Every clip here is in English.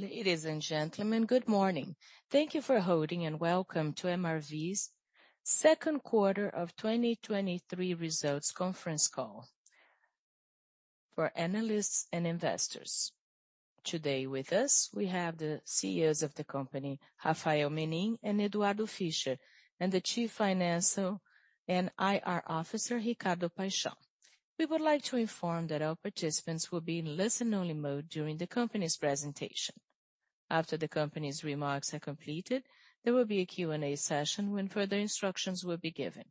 Ladies and gentlemen, good morning. Thank you for holding, and welcome to MRV's second quarter of 2023 results conference call for analysts and investors. Today with us we have the CEOs of the company, Rafael Menin and Eduardo Fischer, and the Chief Financial and IR Officer, Ricardo Paixão. We would like to inform that all participants will be in listen-only mode during the company's presentation. After the company's remarks are completed, there will be a Q&A session when further instructions will be given.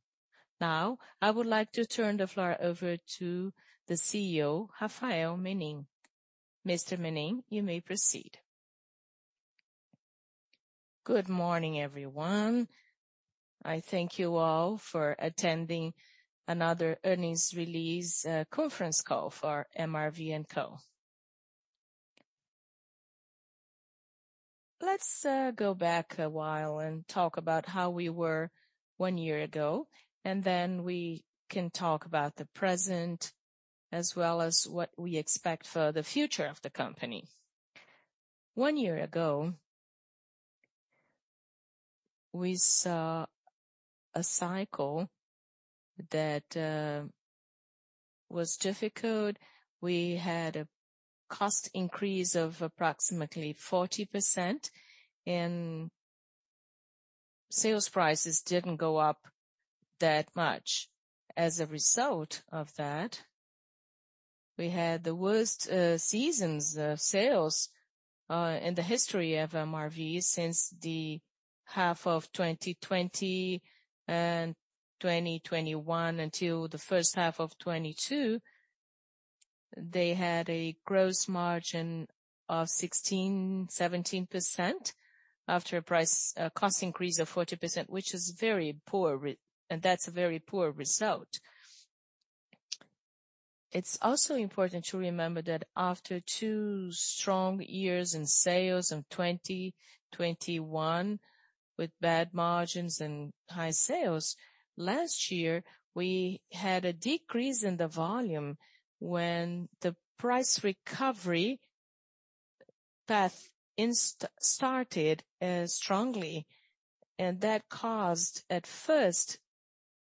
Now I would like to turn the floor over to the CEO, Rafael Menin. Mr. Menin, you may proceed. Good morning, everyone. I thank you all for attending another Earnings Release Conference Call for MRV&Co. Let's go back a while and talk about how we were one year ago, and then we can talk about the present as well as what we expect for the future of the company. One year ago, we saw a cycle that was difficult. We had a cost increase of approximately 40%, and sales prices didn't go up that much. As a result of that, we had the worst seasons of sales in the history of MRV since the half of 2020 and 2021 until the first half of 2022. They had a gross margin of 16%-17% after a cost increase of 40%, which is very poor, and that's a very poor result. It's also important to remember that after two strong years in sales in 2021 with bad margins and high sales, last year we had a decrease in the volume when the price recovery path started strongly. That caused at first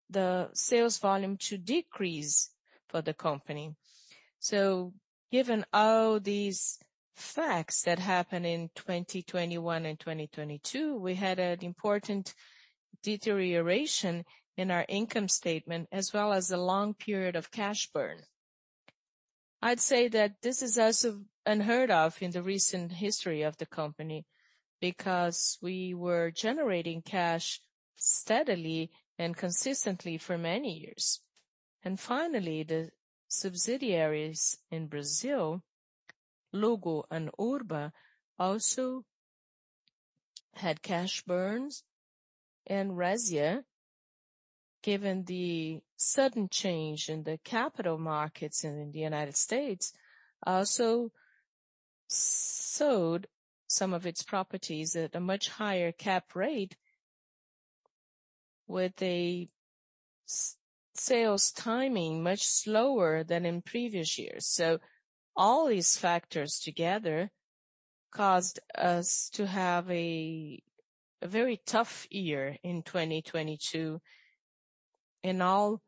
the sales volume to decrease for the company. Given all these facts that happened in 2021 and 2022, we had an important deterioration in our income statement as well as a long period of cash burn. I'd say that this is also unheard of in the recent history of the company because we were generating cash steadily and consistently for many years. Finally, the subsidiaries in Brazil, Luggo and Urba, also had cash burns, and Resia, given the sudden change in the capital markets in the United States, also sold some of its properties at a much higher cap rate with a sales timing much slower than in previous years. All these factors together caused us to have a very tough year in 2022 in all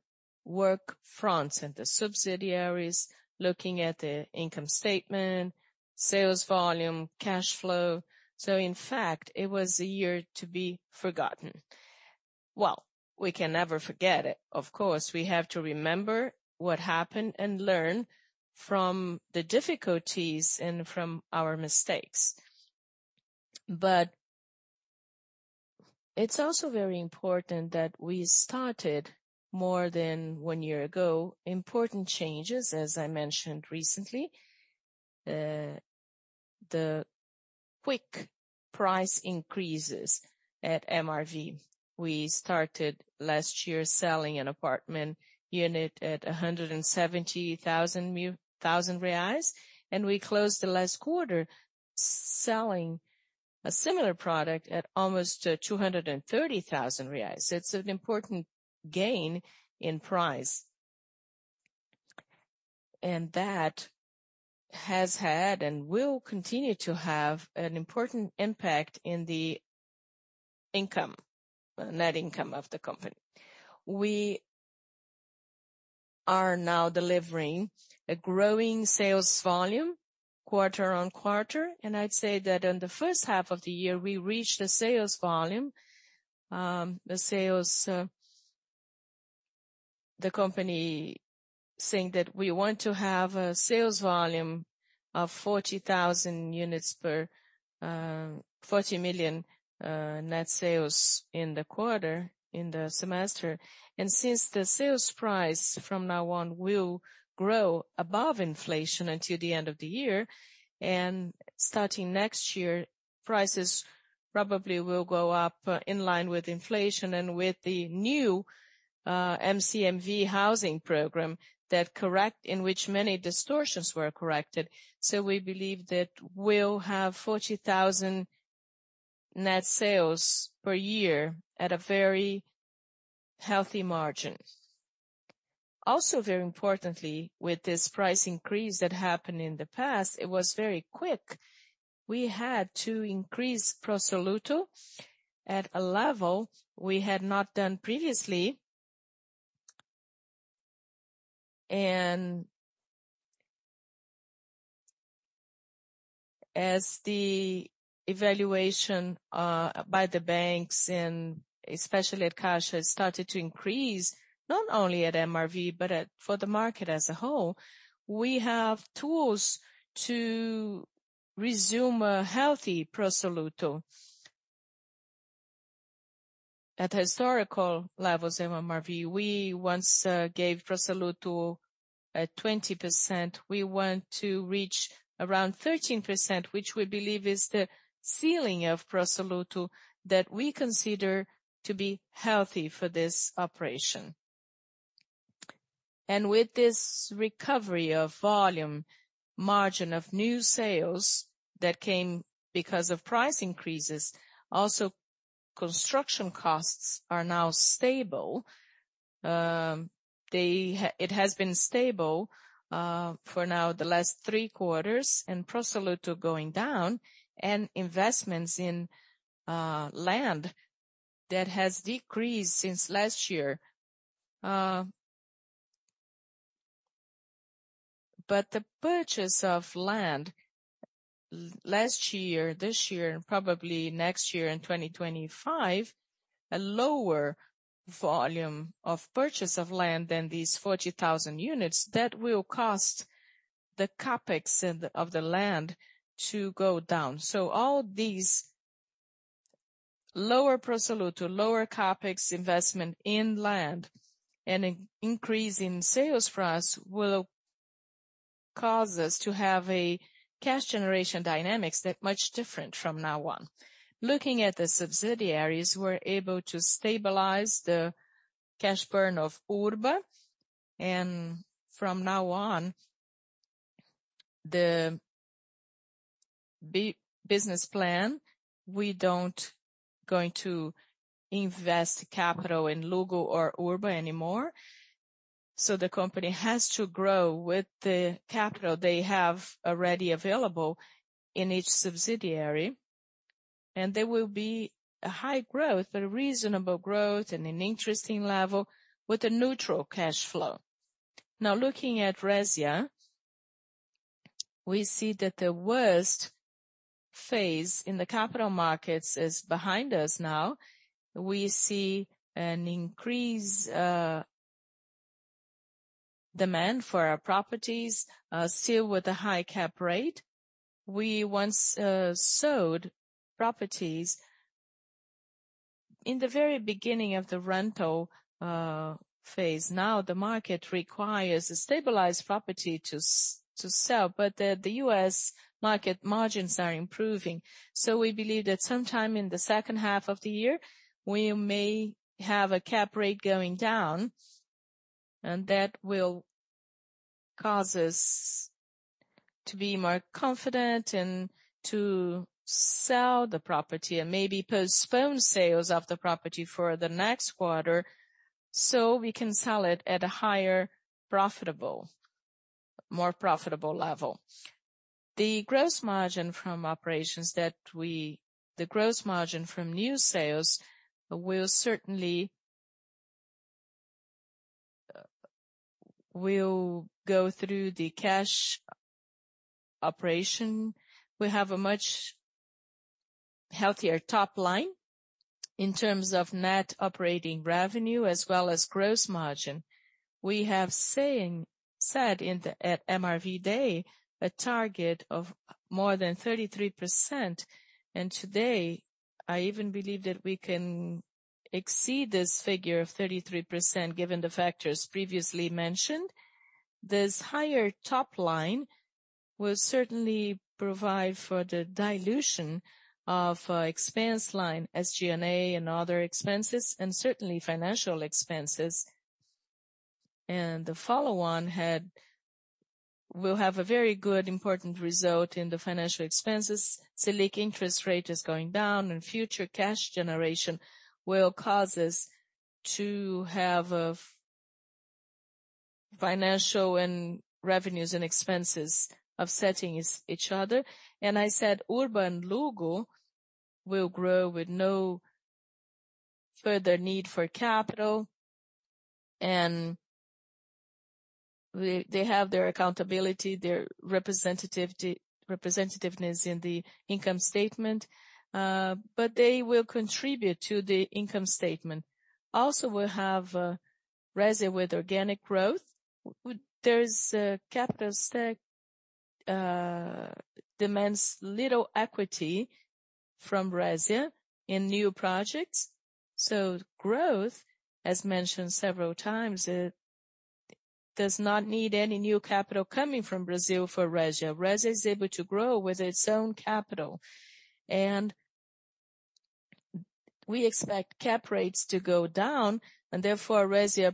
work fronts, and the subsidiaries looking at the income statement, sales volume, cash flow. In fact, it was a year to be forgotten. Well, we can never forget it. Of course, we have to remember what happened and learn from the difficulties and from our mistakes. It's also very important that we started more than 1 year ago important changes, as I mentioned recently, the quick price increases at MRV. We started last year selling an apartment unit at 170,000, we closed the last quarter selling a similar product at almost 230,000 reais. It's an important gain in price. That has had and will continue to have an important impact in the net income of the company. We are now delivering a growing sales volume quarter-on-quarter, and I'd say that in the first half of the year we reached the sales volume, the company saying that we want to have a sales volume of 40,000 units per 40 million net sales in the quarter, in the semester. Since the sales price from now on will grow above inflation until the end of the year, starting next year prices probably will go up in line with inflation and with the new MCMV housing program in which many distortions were corrected, we believe that we'll have 40,000 net sales per year at a very healthy margin. Also very importantly, with this price increase that happened in the past, it was very quick. We had to increase Prosoluto at a level we had not done previously, and as the evaluation by the banks, especially at Caixa, started to increase, not only at MRV but for the market as a whole, we have tools to resume a healthy Prosoluto at historical levels in MRV. We once gave Prosoluto at 20%. We want to reach around 13%, which we believe is the ceiling of Prosoluto that we consider to be healthy for this operation. With this recovery of volume, margin of new sales that came because of price increases, also construction costs are now stable. It has been stable for now the last 3 quarters and Prosoluto going down and investments in land that has decreased since last year. The purchase of land last year, this year, and probably next year in 2025, a lower volume of purchase of land than these 40,000 units, that will cost the CapEx of the land to go down. All these lower Prosoluto, lower CapEx investment in land, and an increase in sales for us will cause us to have a cash generation dynamics that's much different from now on. Looking at the subsidiaries, we're able to stabilize the cash burn of Urba. From now on, the business plan, we're not going to invest capital in Luggo or Urba anymore. The company has to grow with the capital they have already available in each subsidiary, and there will be a high growth, but a reasonable growth and an interesting level with a neutral cash flow. Looking at Resia, we see that the worst phase in the capital markets is behind us now. We see an increased demand for our properties, still with a high cap rate. We once sold properties in the very beginning of the rental phase. The market requires a stabilized property to sell. The U.S. market margins are improving. We believe that sometime in the second half of the year we may have a cap rate going down, that will cause us to be more confident and to sell the property and maybe postpone sales of the property for the next quarter so we can sell it at a higher profitable, more profitable level. The gross margin from operations the gross margin from new sales will certainly go through the cash operation. We have a much healthier top line in terms of net operating revenue as well as gross margin. We have said at MRV Day a target of more than 33%, today I even believe that we can exceed this figure of 33% given the factors previously mentioned. This higher top line will certainly provide for the dilution of expense line, SG&A and other expenses, certainly financial expenses. The follow-on will have a very good important result in the financial expenses. SELIC interest rate is going down, future cash generation will cause us to have financial revenues and expenses offsetting each other. I said Urba and Luggo will grow with no further need for capital, and they have their accountability, their representativeness in the income statement, but they will contribute to the income statement. Also we'll have Resia with organic growth. Capital demands little equity from Resia in new projects, so growth, as mentioned several times, does not need any new capital coming from Brazil for Resia. Resia is able to grow with its own capital, we expect cap rates to go down, therefore Resia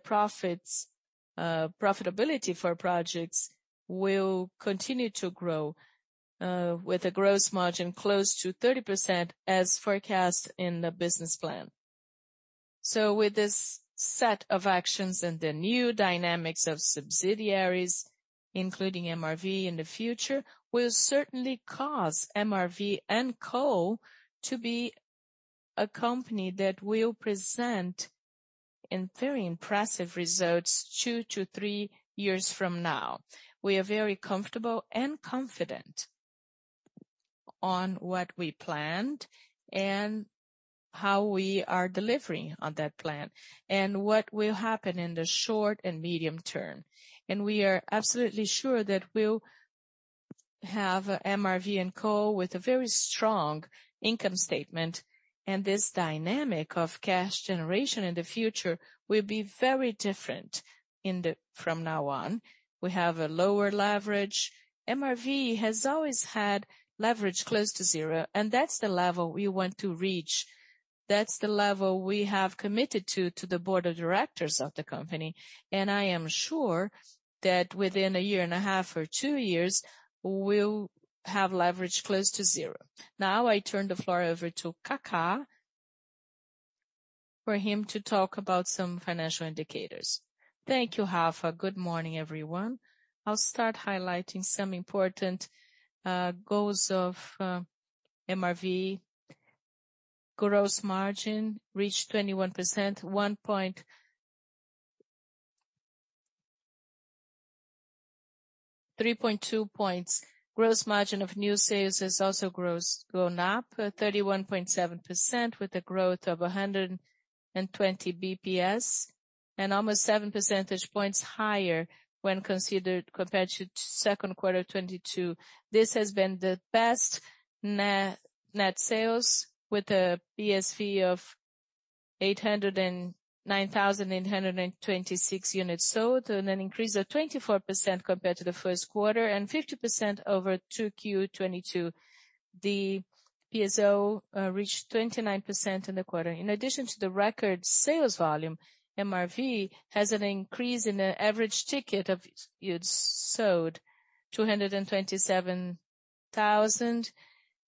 profitability for projects will continue to grow with a gross margin close to 30% as forecast in the business plan. With this set of actions and the new dynamics of subsidiaries, including MRV in the future, will certainly cause MRV & Co. to be a company that will present very impressive results 2-3 years from now. We are very comfortable and confident on what we planned and how we are delivering on that plan and what will happen in the short and medium term. We are absolutely sure that we'll have MRV & Co. with a very strong income statement, and this dynamic of cash generation in the future will be very different from now on. We have a lower leverage. MRV has always had leverage close to 0, and that's the level we want to reach. That's the level we have committed to to the board of directors of the company, and I am sure that within one and a half or 2 years we'll have leverage close to zero. Now I turn the floor over to Kaká for him to talk about some financial indicators. Thank you, Hafa. Good morning, everyone. I'll start highlighting some important goals of MRV. Gross margin reached 21%, 3.2 points. Gross margin of new sales has also gone up, 31.7%, with a growth of 120 BPS and almost 7 percentage points higher when considered compared to second quarter 2022. This has been the best net sales with a PSV of 809,826 units sold, and an increase of 24% compared to the first quarter and 50% over Q2 2022. The PSO reached 29% in the quarter. In addition to the record sales volume, MRV has an increase in the average ticket sold, 227,000,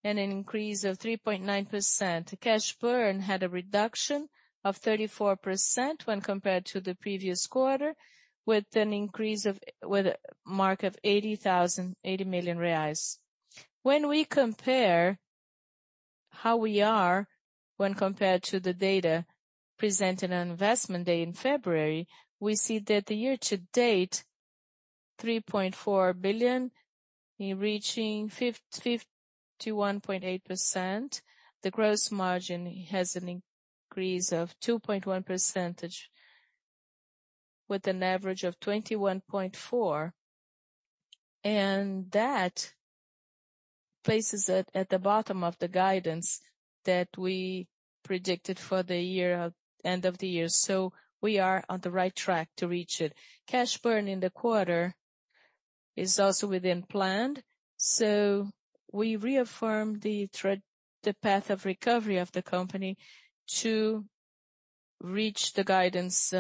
and an increase of 3.9%. Cash burn had a reduction of 34% when compared to the previous quarter, with an increase of a mark of 80 million reais. When we compare how we are when compared to the data presented on Investor Day in February, we see that the year-to-date, BRL 3.4 billion, reaching 51.8%. The gross margin has an increase of 2.1 percentage with an average of 21.4%, that places it at the bottom of the guidance that we predicted for the end of the year. We are on the right track to reach it. Cash burn in the quarter is also within plan. We reaffirm the path of recovery of the company to reach the guidance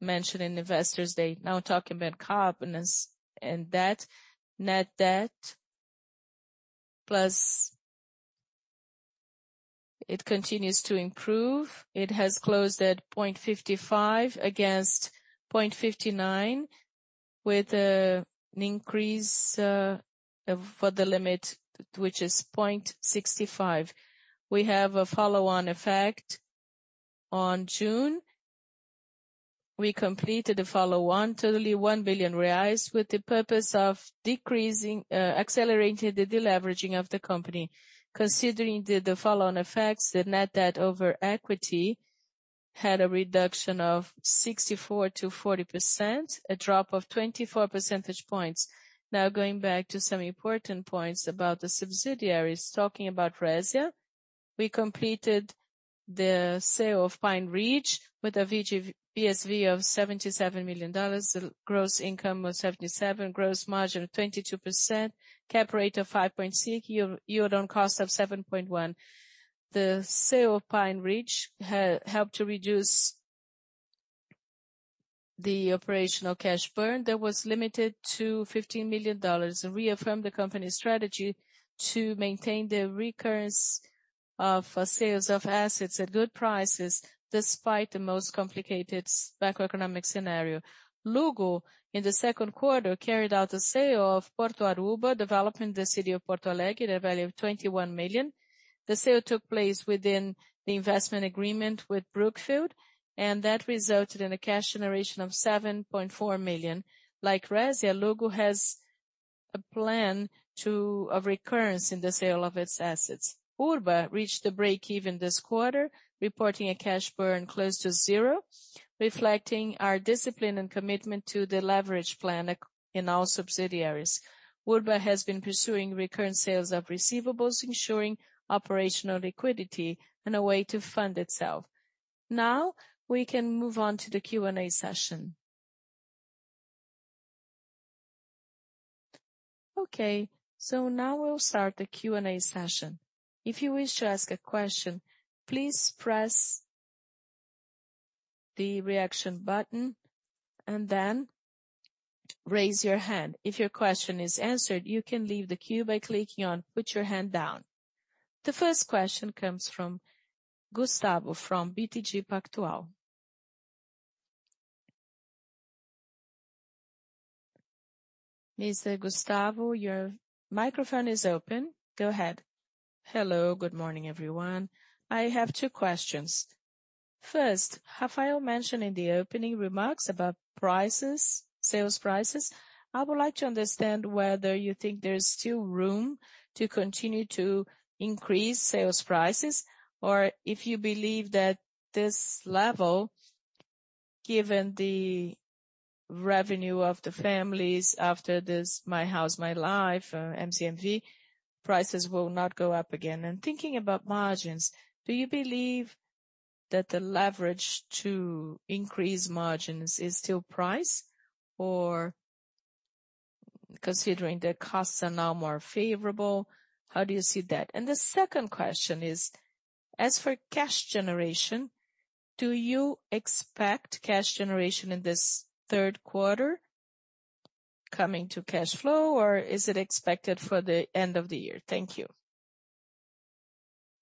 mentioned in Investor Day. Now I'm talking about carbon and that. Net debt plus it continues to improve. It has closed at 0.55 against 0.59, with an increase for the limit, which is 0.65. We have a follow-on effect on June. We completed the follow-on, totally R$1 billion, with the purpose of accelerating the deleveraging of the company. Considering the follow-on effects, the net debt over equity had a reduction of 64% to 40%, a drop of 24 percentage points. Going back to some important points about the subsidiaries, talking about Resia, we completed the sale of Pine Ridge with a PSV of $77 million. Gross income was $77 million, gross margin of 22%, cap rate of 5.6, yield on cost of 7.1. The sale of Pine Ridge helped to reduce the operational cash burn that was limited to $15 million and reaffirmed the company's strategy to maintain the recurrence of sales of assets at good prices despite the most complicated macroeconomic scenario. Luggo, in the second quarter, carried out a sale of Porto Aruba, developing the city of Porto Alegre at a value of $21 million. That resulted in a cash generation of $7.4 million. Like Resia, Luggo has a plan of recurrence in the sale of its assets. Urba reached the break-even this quarter, reporting a cash burn close to zero, reflecting our discipline and commitment to the leverage plan in all subsidiaries. Urba has been pursuing recurrent sales of receivables, ensuring operational liquidity and a way to fund itself. We can move on to the Q&A session. Okay, now we'll start the Q&A session. If you wish to ask a question, please press the reaction button and then raise your hand. If your question is answered, you can leave the queue by clicking on "Put your hand down." The first question comes from Gustavo from BTG Pactual. Mr. Gustavo, your microphone is open. Go ahead. Hello, good morning, everyone. I have two questions. First, Rafael mentioned in the opening remarks about prices, sales prices. I would like to understand whether you think there's still room to continue to increase sales prices, or if you believe that this level, given the revenue of the families after this My House, My Life, MCMV, prices will not go up again. Thinking about margins, do you believe that the leverage to increase margins is still price, or considering the costs are now more favorable, how do you see that? The second question is, as for cash generation, do you expect cash generation in this third quarter coming to cash flow, or is it expected for the end of the year? Thank you.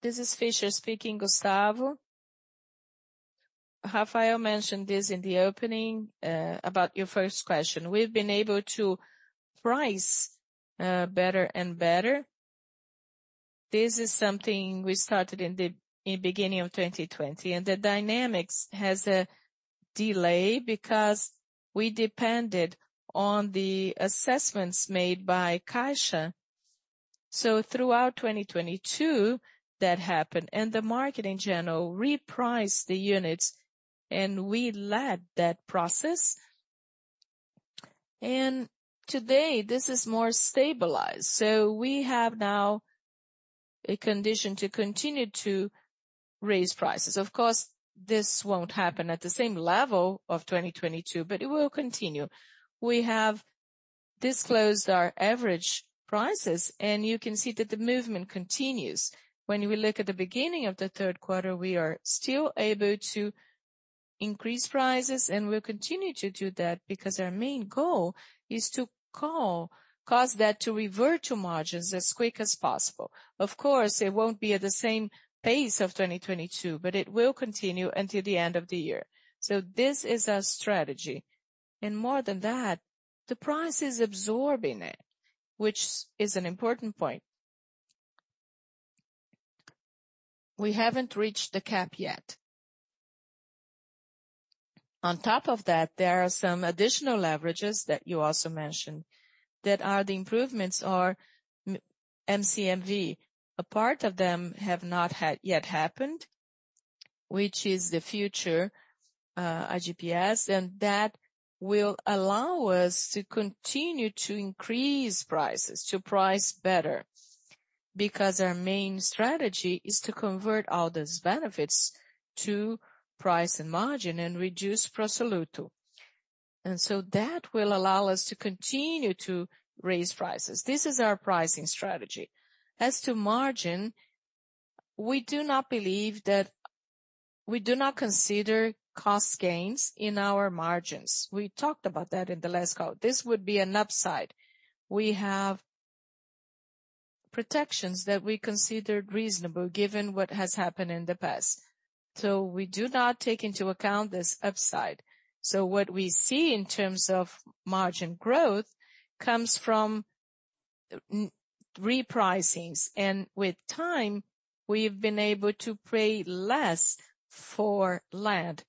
This is Fisher speaking, Gustavo. Rafael mentioned this in the opening about your first question. We've been able to price better and better. This is something we started in the beginning of 2020, and the dynamics has a delay because we depended on the assessments made by Caixa. Throughout 2022, that happened, and the market in general repriced the units, and we led that process. Today, this is more stabilized, so we have now a condition to continue to raise prices. Of course, this won't happen at the same level of 2022, but it will continue. We have disclosed our average prices, and you can see that the movement continues. When we look at the beginning of the third quarter, we are still able to increase prices, and we'll continue to do that because our main goal is to cause that to revert to margins as quick as possible. Of course, it won't be at the same pace of 2022, but it will continue until the end of the year. This is our strategy. More than that, the price is absorbing it, which is an important point. We haven't reached the cap yet. On top of that, there are some additional leverages that you also mentioned that are the improvements are MCMV. A part of them have not yet happened, which is the future IGP-M, and that will allow us to continue to increase prices, to price better, because our main strategy is to convert all those benefits to price and margin and reduce Prosoluto. That will allow us to continue to raise prices. This is our pricing strategy. As to margin, we do not believe that we do not consider cost gains in our margins. We talked about that in the last call. This would be an upside. We have protections that we considered reasonable given what has happened in the past. We do not take into account this upside. What we see in terms of margin growth comes from repricings, and with time, we've been able to pay less for land.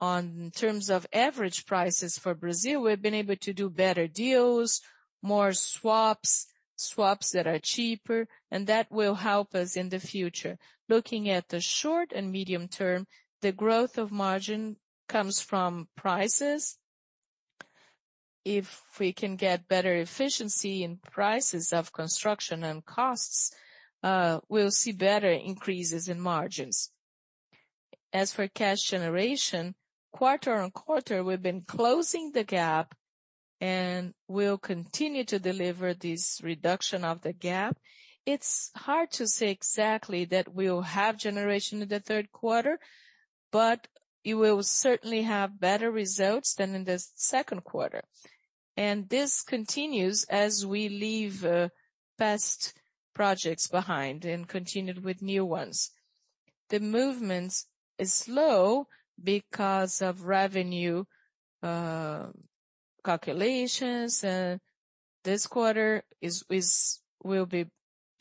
In terms of average prices for Brazil, we've been able to do better deals, more swaps, swaps that are cheaper, and that will help us in the future. Looking at the short and medium term, the growth of margin comes from prices. If we can get better efficiency in prices of construction and costs, we'll see better increases in margins. As for cash generation, quarter-on-quarter, we've been closing the gap and we'll continue to deliver this reduction of the gap. It's hard to say exactly that we'll have generation in the third quarter, but it will certainly have better results than in the second quarter. This continues as we leave past projects behind and continue with new ones. The movement is slow because of revenue calculations, and this quarter will be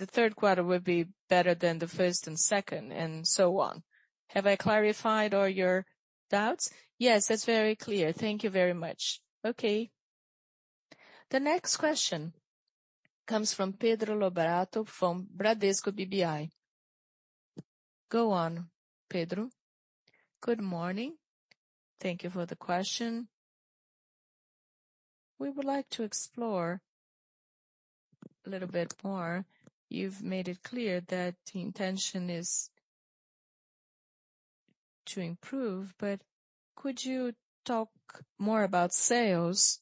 the third quarter will be better than the first and second, and so on. Have I clarified all your doubts? Yes, that's very clear. Thank you very much. Okay. The next question comes from Pedro Lobato from Bradesco BBI. Go on, Pedro. Good morning. Thank you for the question. We would like to explore a little bit more. You've made it clear that the intention is to improve, but could you talk more about sales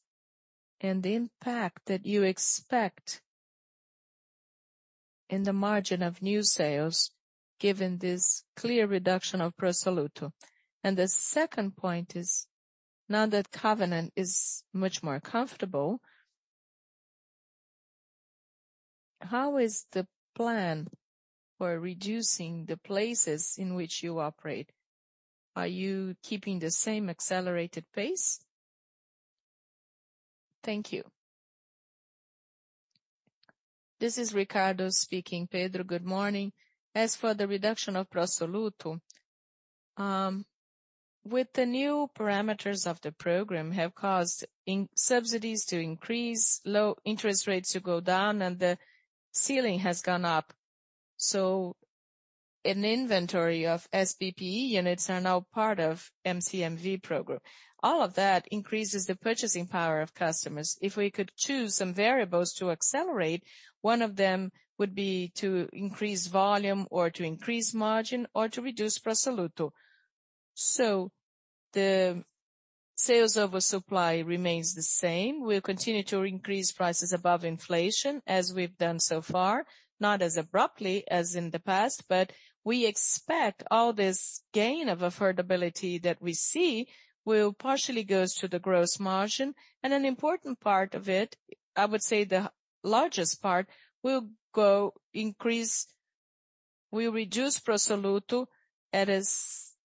and the impact that you expect in the margin of new sales, given this clear reduction of Prosoluto? The second point is, now that covenant is much more comfortable, how is the plan for reducing the places in which you operate? Are you keeping the same accelerated pace? Thank you. This is Ricardo speaking, Pedro. Good morning. As for the reduction of Prosoluto, with the new parameters of the program, subsidies to increase, low interest rates to go down, and the ceiling has gone up, so an inventory of SPE units are now part of the MCMV program. All of that increases the purchasing power of customers. If we could choose some variables to accelerate, one of them would be to increase volume or to increase margin or to reduce Prosoluto. The sales of supply remain the same. We'll continue to increase prices above inflation as we've done so far, not as abruptly as in the past, but we expect all this gain of affordability that we see will partially go to the gross margin, and an important part of it, I would say the largest part, will reduce prosoluto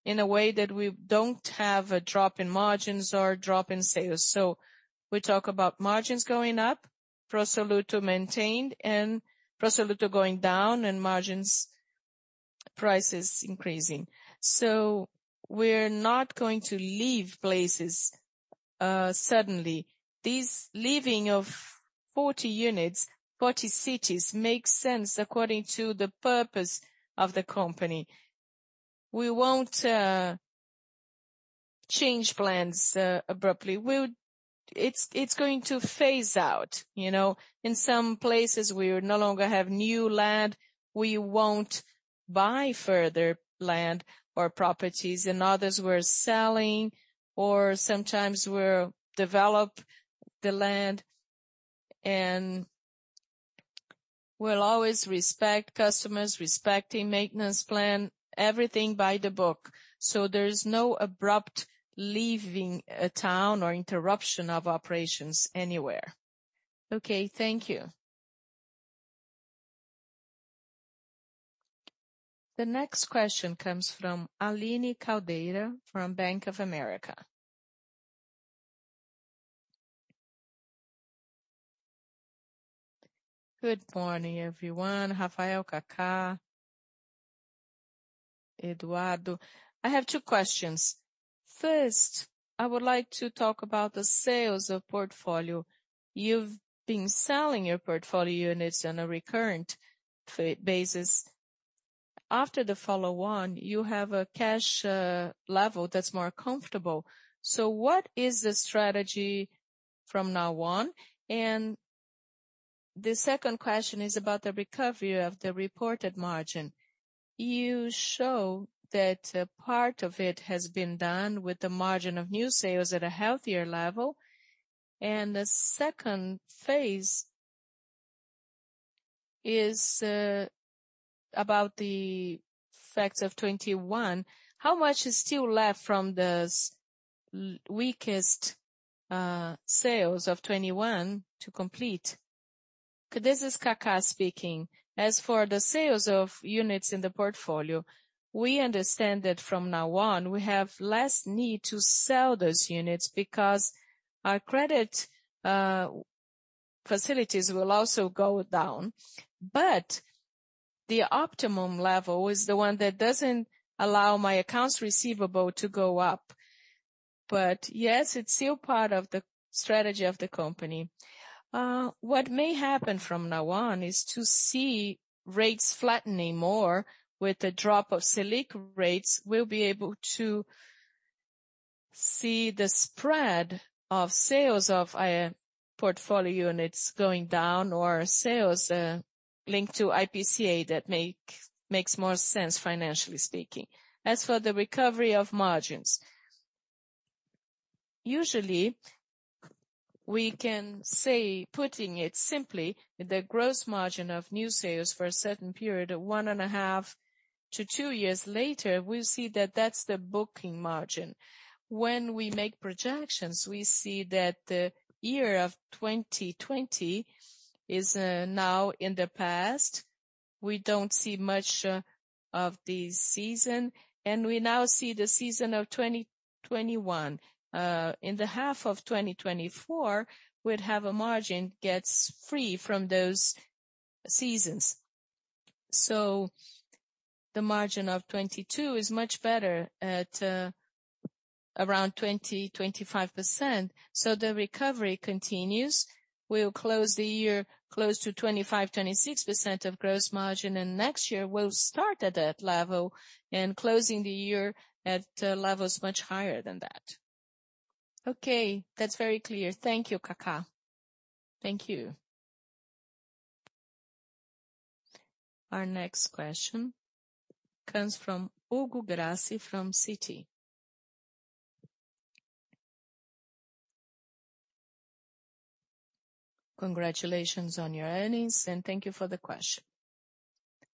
in a way that we don't have a drop in margins or drop in sales. We talk about margins going up, prosoluto maintained, and prosoluto going down, and margin prices increasing. We're not going to leave places suddenly. This leaving of 40 units, 40 cities, makes sense according to the purpose of the company. We won't change plans abruptly. It's going to phase out. In some places, we no longer have new land. We won't buy further land or properties. We'll always respect customers, respect the maintenance plan, everything by the book. There's no abrupt leaving a town or interruption of operations anywhere. Okay, thank you. The next question comes from Aline Caldeira from Bank of America. Good morning, everyone. Rafael, Kaká. Eduardo. I have two questions. First, I would like to talk about the sales of portfolio. You've been selling your portfolio units on a recurrent basis. After the follow-on, you have a cash level that's more comfortable. What is the strategy from now on? The second question is about the recovery of the reported margin. You show that part of it has been done with the margin of new sales at a healthier level. The second phase is about the facts of 2021. How much is still left from the weakest sales of 2021 to complete? This is Kaká speaking. As for the sales of units in the portfolio, we understand that from now on, we have less need to sell those units because our credit facilities will also go down. The optimum level is the one that doesn't allow my accounts receivable to go up. Yes, it's still part of the strategy of the company. What may happen from now on is to see rates flattening more with the drop of SELIC rates. We'll be able to see the spread of sales of portfolio units going down or sales linked to IPCA that makes more sense, financially speaking. As for the recovery of margins, usually, we can say, putting it simply, the gross margin of new sales for a certain period, 1.5-2 years later, we'll see that that's the booking margin. When we make projections, we see that the year of 2020 is now in the past. We don't see much of the season. We now see the season of 2021. In the half of 2024, we'd have a margin that gets free from those seasons. The margin of 2022 is much better at around 20%-25%. The recovery continues. We'll close the year close to 25%-26% of gross margin, and next year we'll start at that level and closing the year at levels much higher than that. Okay, that's very clear. Thank you, Kaká. Thank you. Our next question comes from Hugo Grassi from Citi. Congratulations on your earnings, and thank you for the question.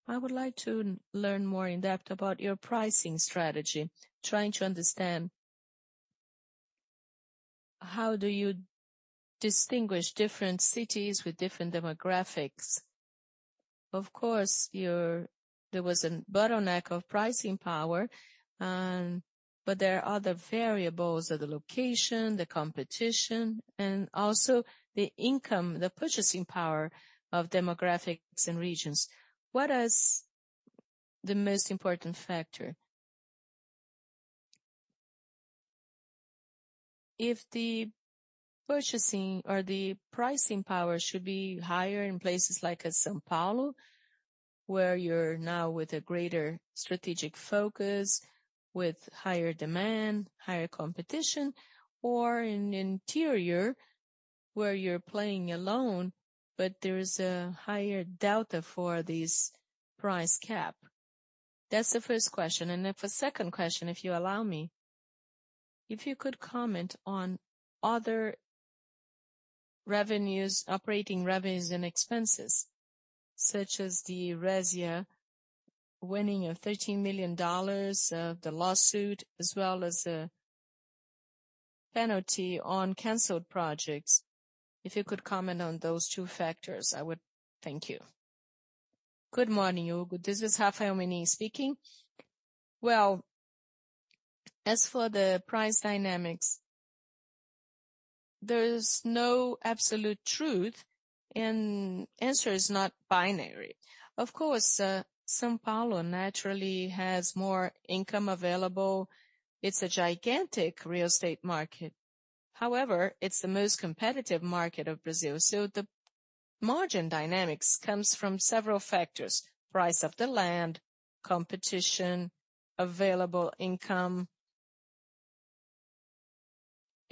I would like to learn more in depth about your pricing strategy, trying to understand how do you distinguish different cities with different demographics. Of course, there was a bottleneck of pricing power, but there are other variables of the location, the competition, and also the income, the purchasing power of demographics and regions. What is the most important factor? If the purchasing or the pricing power should be higher in places like São Paulo, where you're now with a greater strategic focus, with higher demand, higher competition, or in interior, where you're playing alone, but there's a higher delta for this price cap. That's the first question. For the second question, if you allow me, if you could comment on other revenues, operating revenues, and expenses, such as the Resia winning of $13 million, the lawsuit, as well as a penalty on canceled projects. If you could comment on those two factors, I would thank you. Good morning, Hugo. This is Rafael Menin speaking. Well, as for the price dynamics, there's no absolute truth, and the answer is not binary. Of course, São Paulo naturally has more income available. It's a gigantic real estate market. However, it's the most competitive market of Brazil. The margin dynamics come from several factors: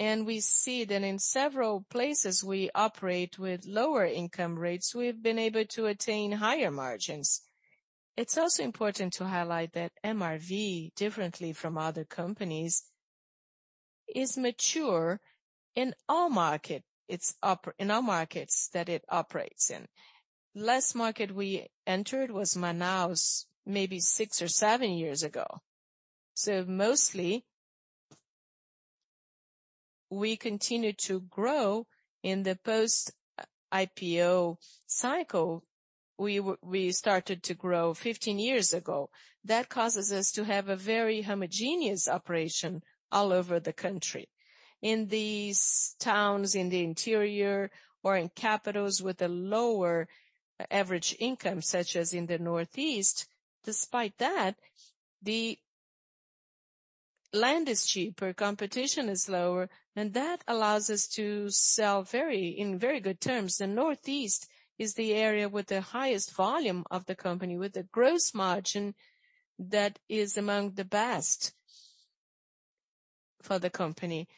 price of the land, competition, available income. We see that in several places we operate with lower income rates, we've been able to attain higher margins. It's also important to highlight that MRV, differently from other companies, is mature in all markets that it operates in. The last market we entered was Manaus, maybe 6 or 7 years ago. Mostly, we continue to grow in the post-IPO cycle. We started to grow 15 years ago. That causes us to have a very homogeneous operation all over the country. In these towns in the interior or in capitals with a lower average income, such as in the Northeast, despite that, the land is cheaper, competition is lower, and that allows us to sell in very good terms. The Northeast is the area with the highest volume of the company, with the gross margin that is among the best for the company.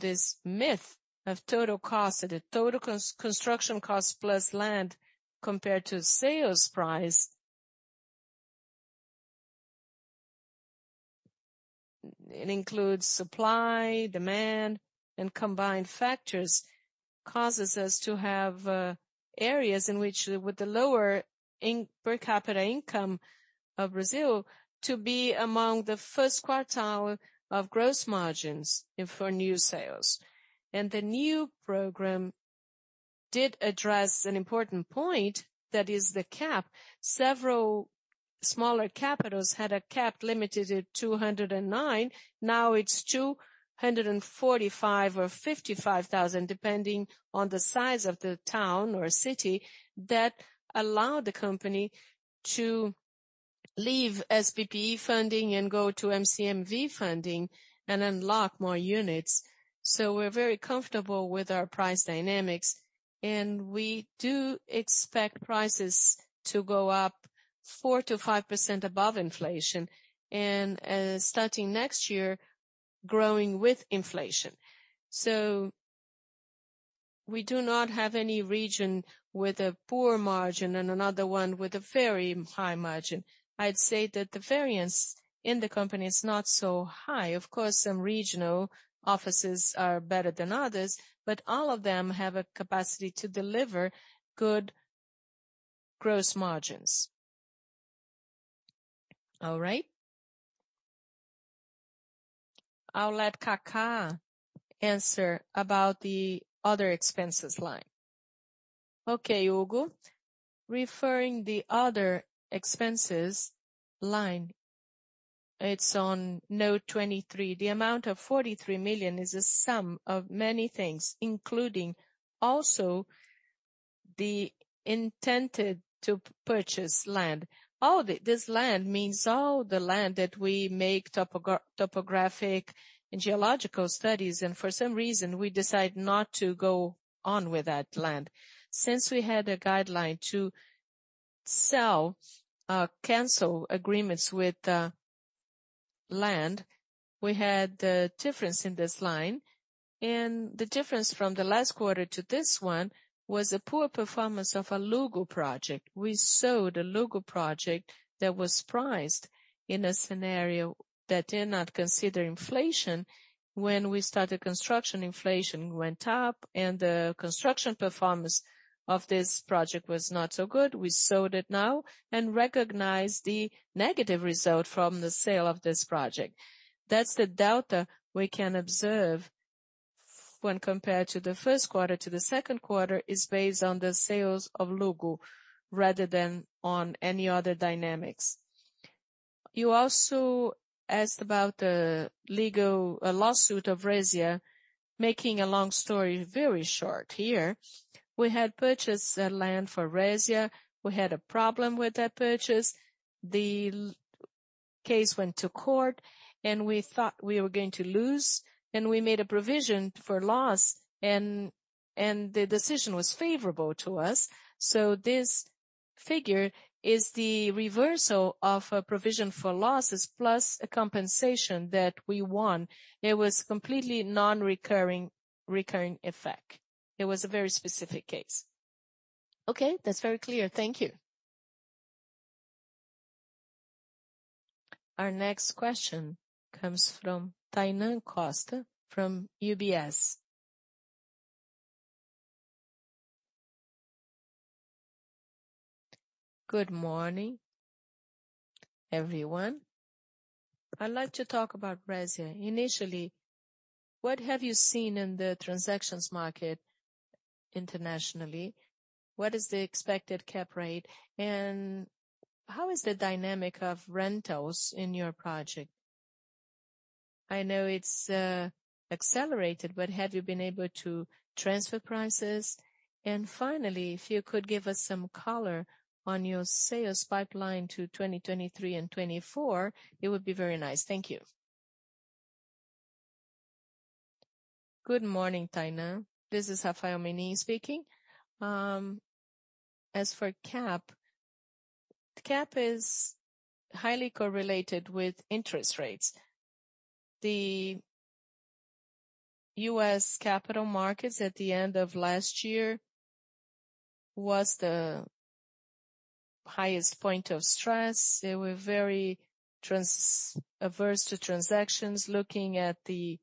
This myth of total cost, the total construction cost plus land compared to sales price, it includes supply, demand, and combined factors, causes us to have areas in which, with the lower per capita income of Brazil, to be among the first quartile of gross margins for new sales. The new program did address an important point, that is the cap. Several smaller capitals had a cap limited at 209. Now it's 245 or 55,000, depending on the size of the town or city, that allow the company to leave SPE funding and go to MCMV funding and unlock more units. We're very comfortable with our price dynamics, and we do expect prices to go up 4%-5% above inflation, and starting next year, growing with inflation. We do not have any region with a poor margin and another one with a very high margin. I'd say that the variance in the company is not so high. Of course, some regional offices are better than others, but all of them have a capacity to deliver good gross margins. All right. I'll let Kaká answer about the other expenses line. Okay, Hugo. Referring to the other expenses line, it's on note 23. The amount of 43 million is a sum of many things, including also the intended to purchase land. This land means all the land that we make topographic and geological studies, and for some reason, we decide not to go on with that land. We had a guideline to cancel agreements with land, we had a difference in this line. The difference from the last quarter to this one was a poor performance of a Luggo project. We sold a Luggo project that was priced in a scenario that did not consider inflation. When we started construction, inflation went up, and the construction performance of this project was not so good. We sold it now and recognized the negative result from the sale of this project. That's the delta we can observe when compared to the first quarter to the second quarter, is based on the sales of Luggo rather than on any other dynamics. You also asked about the legal lawsuit of Resia. Making a long story very short here, we had purchased land for Resia. We had a problem with that purchase. The case went to court, and we thought we were going to lose, and we made a provision for loss, the decision was favorable to us. This figure is the reversal of a provision for losses plus a compensation that we won. It was completely non-recurring effect. It was a very specific case. Okay, that's very clear. Thank you. Our next question comes from Tainan Costa from UBS. Good morning, everyone. I'd like to talk about Resia. Initially, what have you seen in the transactions market internationally? What is the expected cap rate? How is the dynamic of rentals in your project? I know it's accelerated, but have you been able to transfer prices? Finally, if you could give us some color on your sales pipeline to 2023 and 2024, it would be very nice. Thank you. Good morning, Tainan. This is Rafael Menin speaking. As for cap, cap is highly correlated with interest rates. The U.S. capital markets at the end of last year was the highest point of stress. They were very averse to transactions. Looking at the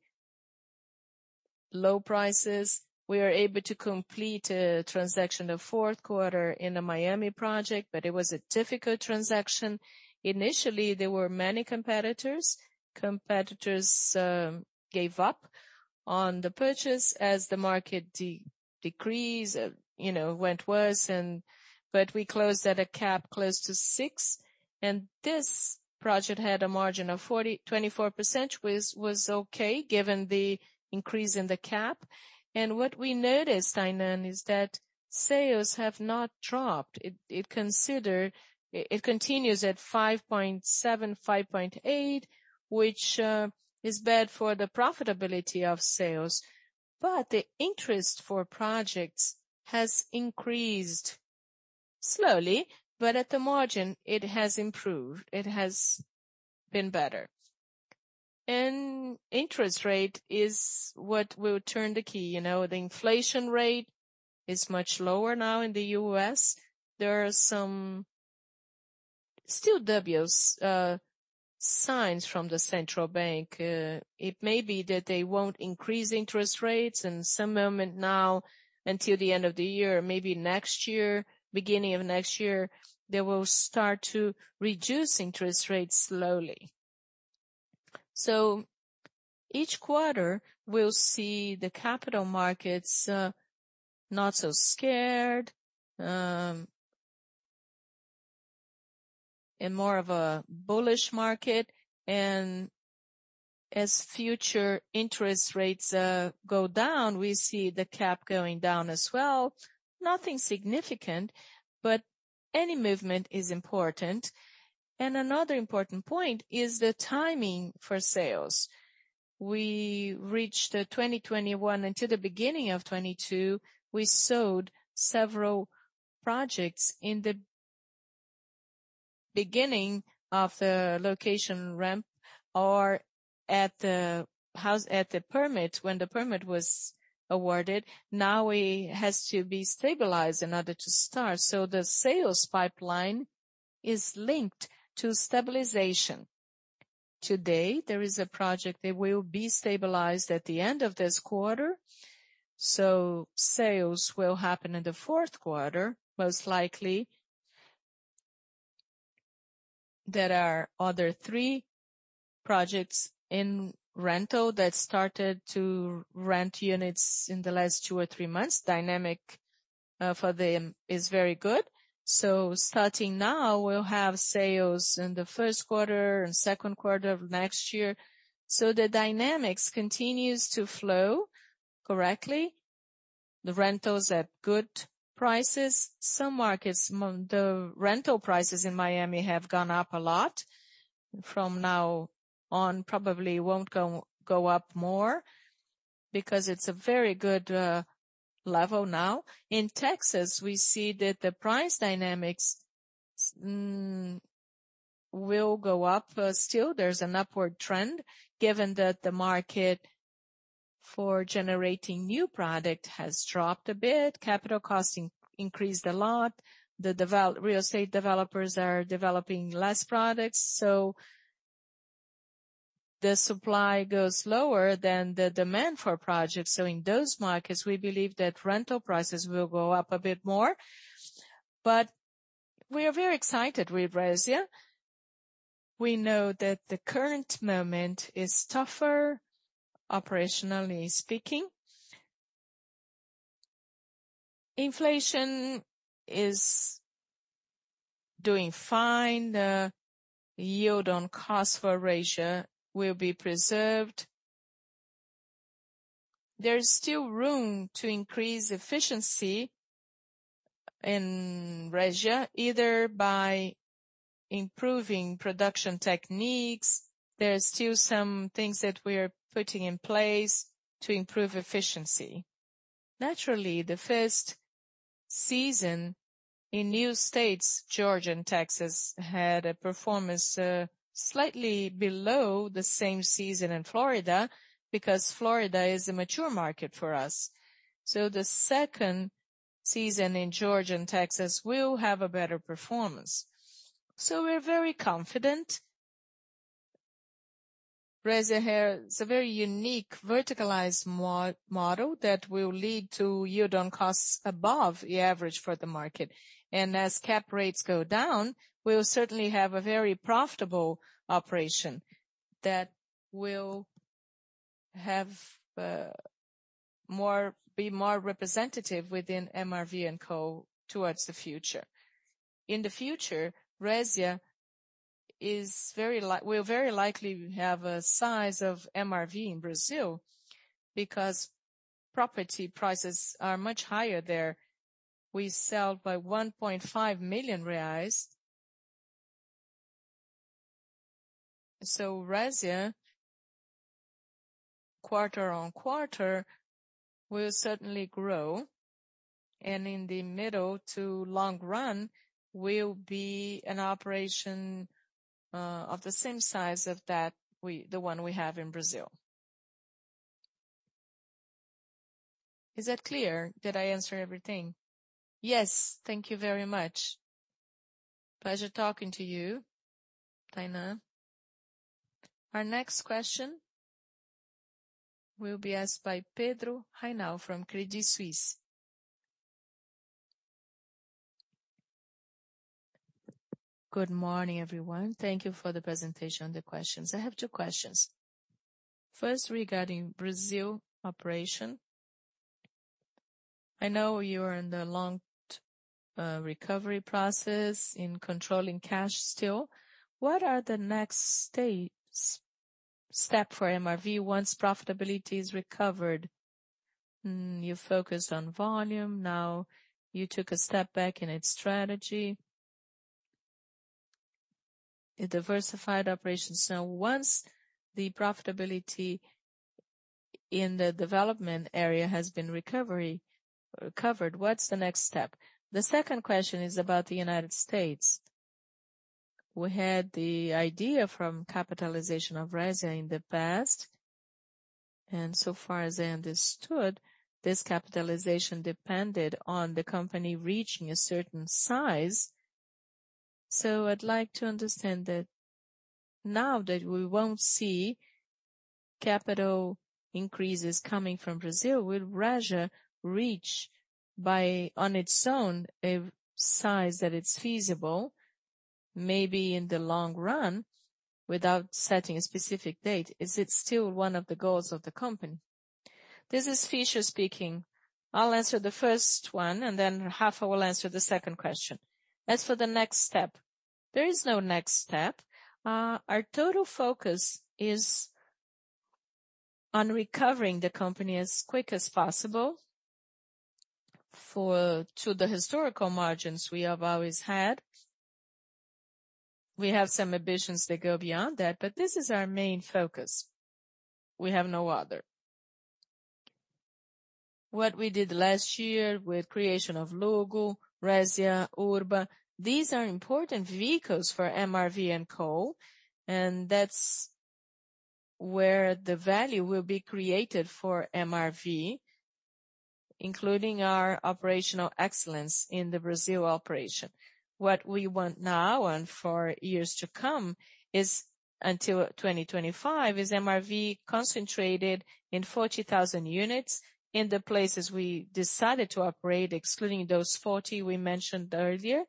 low prices, we were able to complete a transaction in the fourth quarter in a Miami project, but it was a difficult transaction. Initially, there were many competitors. Competitors gave up on the purchase as the market decreased, went worse, but we closed at a cap close to 6. This project had a margin of 24%, which was okay given the increase in the cap. What we noticed, Tainan, is that sales have not dropped. It continues at 5.7, 5.8, which is bad for the profitability of sales. The interest for projects has increased slowly, but at the margin, it has improved. It has been better. Interest rate is what will turn the key. The inflation rate is much lower now in the U.S. There are still dubious signs from the central bank. It may be that they won't increase interest rates. Some moment now until the end of the year, maybe next year, beginning of next year, they will start to reduce interest rates slowly. Each quarter, we'll see the capital markets not so scared, more of a bullish market. As future interest rates go down, we see the cap going down as well. Nothing significant, but any movement is important. Another important point is the timing for sales. We reached 2021 until the beginning of 2022, we sold several projects in the beginning of the location ramp or at the permit when the permit was awarded. Now it has to be stabilized in order to start. The sales pipeline is linked to stabilization. Today, there is a project that will be stabilized at the end of this quarter. Sales will happen in the fourth quarter, most likely. There are other 3 projects in rental that started to rent units in the last 2 or 3 months. The dynamic for them is very good. Starting now, we'll have sales in the first quarter and second quarter of next year. The dynamics continues to flow correctly. The rentals at good prices. Some markets, the rental prices in Miami have gone up a lot. From now on, probably won't go up more because it's a very good level now. In Texas, we see that the price dynamics will go up still. There's an upward trend given that the market for generating new product has dropped a bit. Capital costs increased a lot. Real estate developers are developing less products, the supply goes lower than the demand for projects. In those markets, we believe that rental prices will go up a bit more. We are very excited with Resia. We know that the current moment is tougher, operationally speaking. Inflation is doing fine. The yield on cost for Resia will be preserved. There's still room to increase efficiency in Resia, either by improving production techniques. There are still some things that we are putting in place to improve efficiency. Naturally, the first season in new states, Georgia and Texas, had a performance slightly below the same season in Florida because Florida is a mature market for us. The second season in Georgia and Texas will have a better performance. We're very confident. Resia has a very unique verticalized model that will lead to yield on costs above the average for the market. As cap rates go down, we'll certainly have a very profitable operation that will be more representative within MRV & Co towards the future. In the future, Resia will very likely have a size of MRV because property prices are much higher there. We sell by BRL 1.5 million. Resia, quarter-on-quarter, will certainly grow. In the middle to long run, will be an operation of the same size as the one we have in Brazil. Is that clear? Did I answer everything? Yes, thank you very much. Pleasure talking to you, Tainan. Our next question will be asked by Pedro Reinau from Crédit Suisse. Good morning, everyone. Thank you for the presentation on the questions. I have two questions. First, regarding Brazil operation, I know you're in the long recovery process in controlling cash still. What are the next steps for MRV once profitability is recovered? You focused on volume. Now you took a step back in its strategy. It diversified operations. Now, once the profitability in the development area has been recovered, what's the next step? The second question is about the United States. We had the idea from capitalization of Resia in the past. So far as I understood, this capitalization depended on the company reaching a certain size. I'd like to understand that now that we won't see capital increases coming from Brazil, will Resia reach on its own a size that it's feasible, maybe in the long run, without setting a specific date? Is it still one of the goals of the company? This is Fischer speaking. I'll answer the first one. Then Rafael will answer the second question. As for the next step, there is no next step. Our total focus is on recovering the company as quick as possible to the historical margins we have always had. We have some ambitions that go beyond that, but this is our main focus. We have no other. What we did last year with creation of Luggo, Resia, Urba, these are important vehicles for MRV & Co, and that's where the value will be created for MRV, including our operational excellence in the Brazil operation. What we want now and for years to come is, until 2025, is MRV concentrated in 40,000 units in the places we decided to operate, excluding those 40 we mentioned earlier,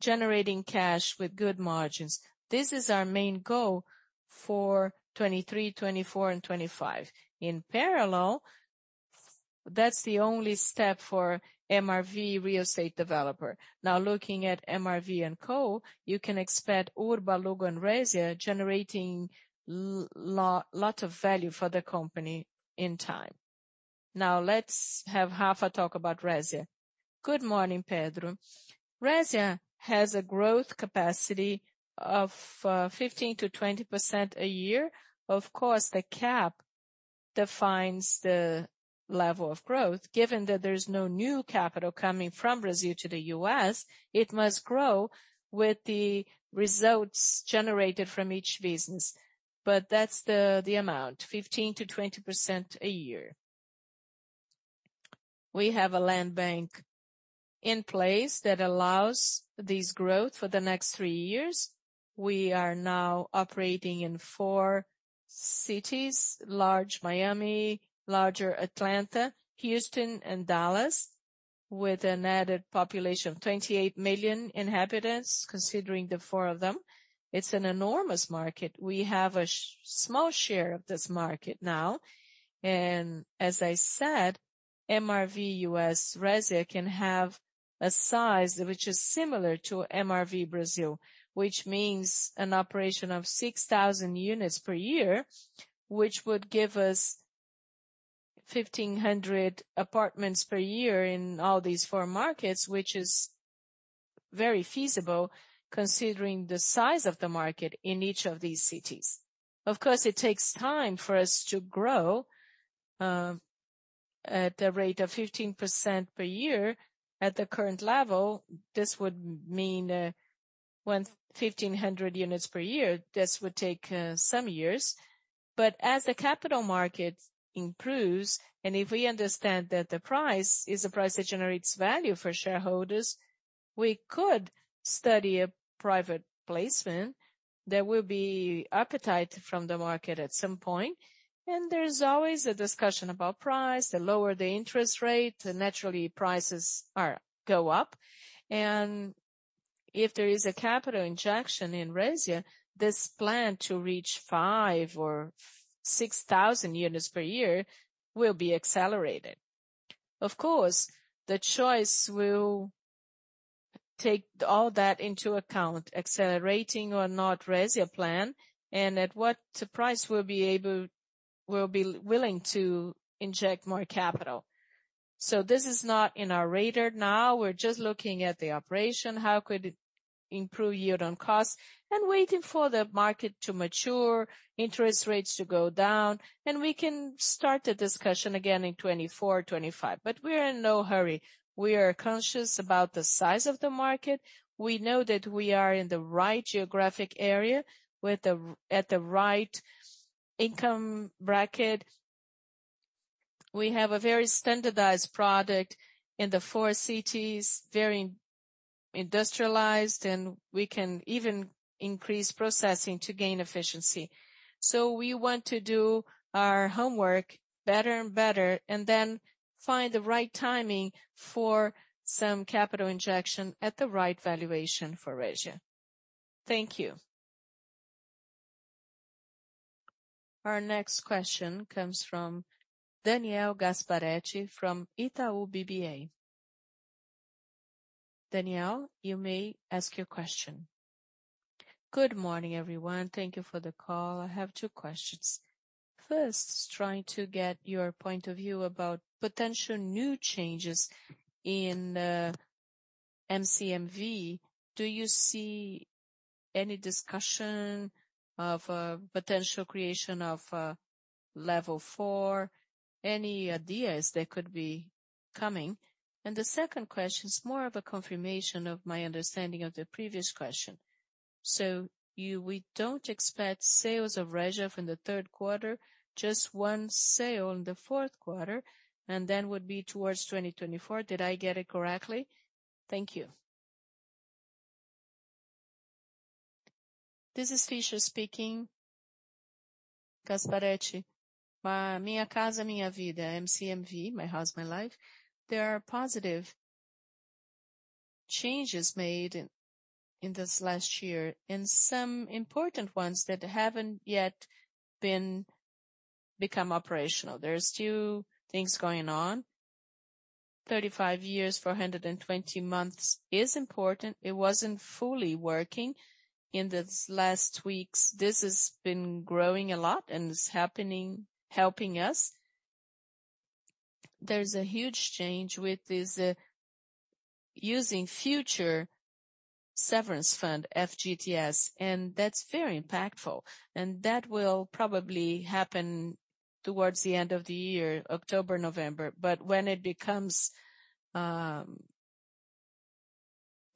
generating cash with good margins. This is our main goal for 2023, 2024, and 2025. In parallel, that's the only step for MRV real estate developer. Now, looking at MRV & Co., you can expect Urba, Luggo, and Resia generating a lot of value for the company in time. Now, let's have Rafael talk about Resia. Good morning, Pedro. Resia has a growth capacity of 15%-20% a year. Of course, the cap defines the level of growth. Given that there's no new capital coming from Brazil to the U.S., it must grow with the results generated from each business. That's the amount, 15%-20% a year. We have a land bank in place that allows this growth for the next three years. We are now operating in four cities, large Miami, larger Atlanta, Houston, and Dallas, with an added population of 28 million inhabitants, considering the four of them. It's an enormous market. We have a small share of this market now. As I said, MRV U.S. Resia can have a size which is similar to MRV Brazil, which means an operation of 6,000 units per year, which would give us 1,500 apartments per year in all these four markets, which is very feasible considering the size of the market in each of these cities. Of course, it takes time for us to grow. At a rate of 15% per year at the current level, this would mean 1,500 units per year. This would take some years. As the capital market improves, and if we understand that the price is a price that generates value for shareholders, we could study a private placement. There will be appetite from the market at some point. There's always a discussion about price. The lower the interest rate, naturally, prices go up. If there is a capital injection in Resia, this plan to reach 5 or 6,000 units per year will be accelerated. Of course, the choice will take all that into account, accelerating or not the Resia plan, and at what price we'll be willing to inject more capital. This is not in our radar now. We're just looking at the operation, how could it improve yield on cost, and waiting for the market to mature, interest rates to go down, and we can start the discussion again in 2024, 2025. We're in no hurry. We are conscious about the size of the market. We know that we are in the right geographic area at the right income bracket. We have a very standardized product in the four cities, very industrialized, and we can even increase processing to gain efficiency. We want to do our homework better and better and then find the right timing for some capital injection at the right valuation for Resia. Thank you. Our next question comes from Daniel Gasparetti from Itaú BBA. Daniel, you may ask your question. Good morning, everyone. Thank you for the call. I have two questions. First, trying to get your point of view about potential new changes in MCMV. Do you see any discussion of potential creation of level four? Any ideas that could be coming? And the second question is more of a confirmation of my understanding of the previous question. We don't expect sales of Resia from the third quarter, just one sale in the fourth quarter, and then would be towards 2024. Did I get it correctly? Thank you. This is Fischer speaking, Gasparetti. Minha Casa, Minha Vida, MCMV, My House, My Life. There are positive changes made in this last year, and some important ones that haven't yet become operational. There are still things going on. 35 years for 120 months is important. It wasn't fully working in this last week. This has been growing a lot and is helping us. There's a huge change with using Future Severance Fund, FGTS, and that's very impactful. That will probably happen towards the end of the year, October, November. When it becomes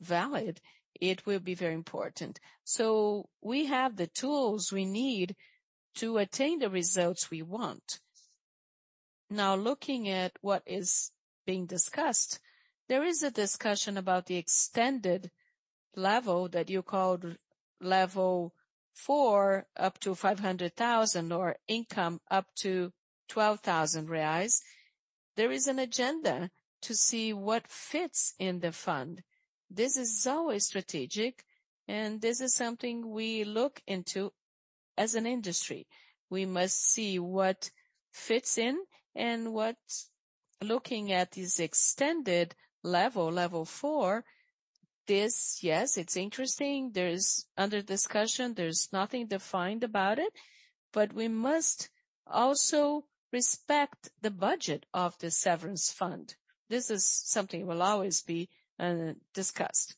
valid, it will be very important. We have the tools we need to attain the results we want. Now, looking at what is being discussed, there is a discussion about the extended level that you called level 4, up to 500,000 or income up to 12,000 reais. There is an agenda to see what fits in the fund. This is always strategic, and this is something we look into as an industry. We must see what fits in and what. Looking at this extended level, level 4, yes, it's interesting. Under discussion, there's nothing defined about it, but we must also respect the budget of the severance fund. This is something that will always be discussed.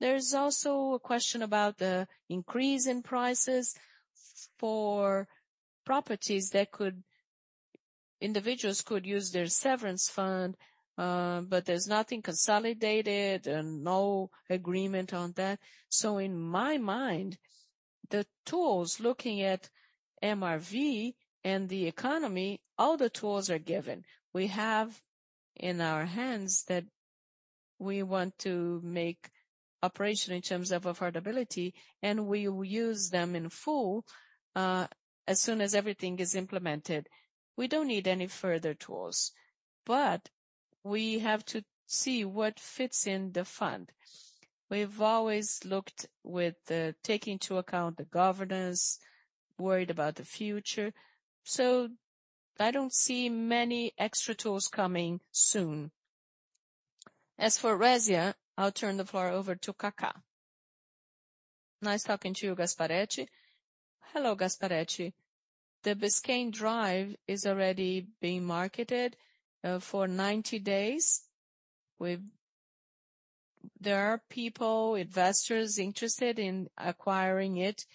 There's also a question about the increase in prices for properties that individuals could use their severance fund, but there's nothing consolidated and no agreement on that. In my mind, the tools, looking at MRV and the economy, all the tools are given. We have in our hands that we want to make operation in terms of affordability, and we will use them in full as soon as everything is implemented. We don't need any further tools, but we have to see what fits in the fund. We've always looked with taking into account the governance, worried about the future. I don't see many extra tools coming soon. As for Resia, I'll turn the floor over to Kaká. Nice talking to you, Gasparetti. Hello, Gasparetti. The Biscayne Drive is already being marketed for 90 days. There are people, investors, interested in acquiring it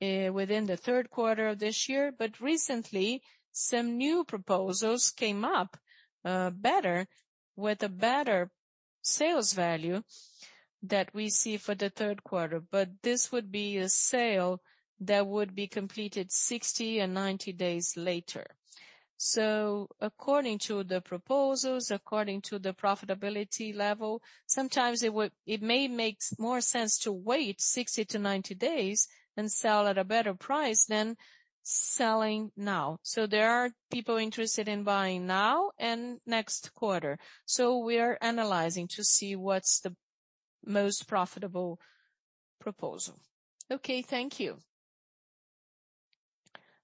within the third quarter of this year. Recently, some new proposals came up better with a better sales value that we see for the third quarter. This would be a sale that would be completed 60 and 90 days later. According to the proposals, according to the profitability level, sometimes it may make more sense to wait 60 to 90 days and sell at a better price than selling now. There are people interested in buying now and next quarter. We are analyzing to see what's the most profitable proposal. Okay, thank you.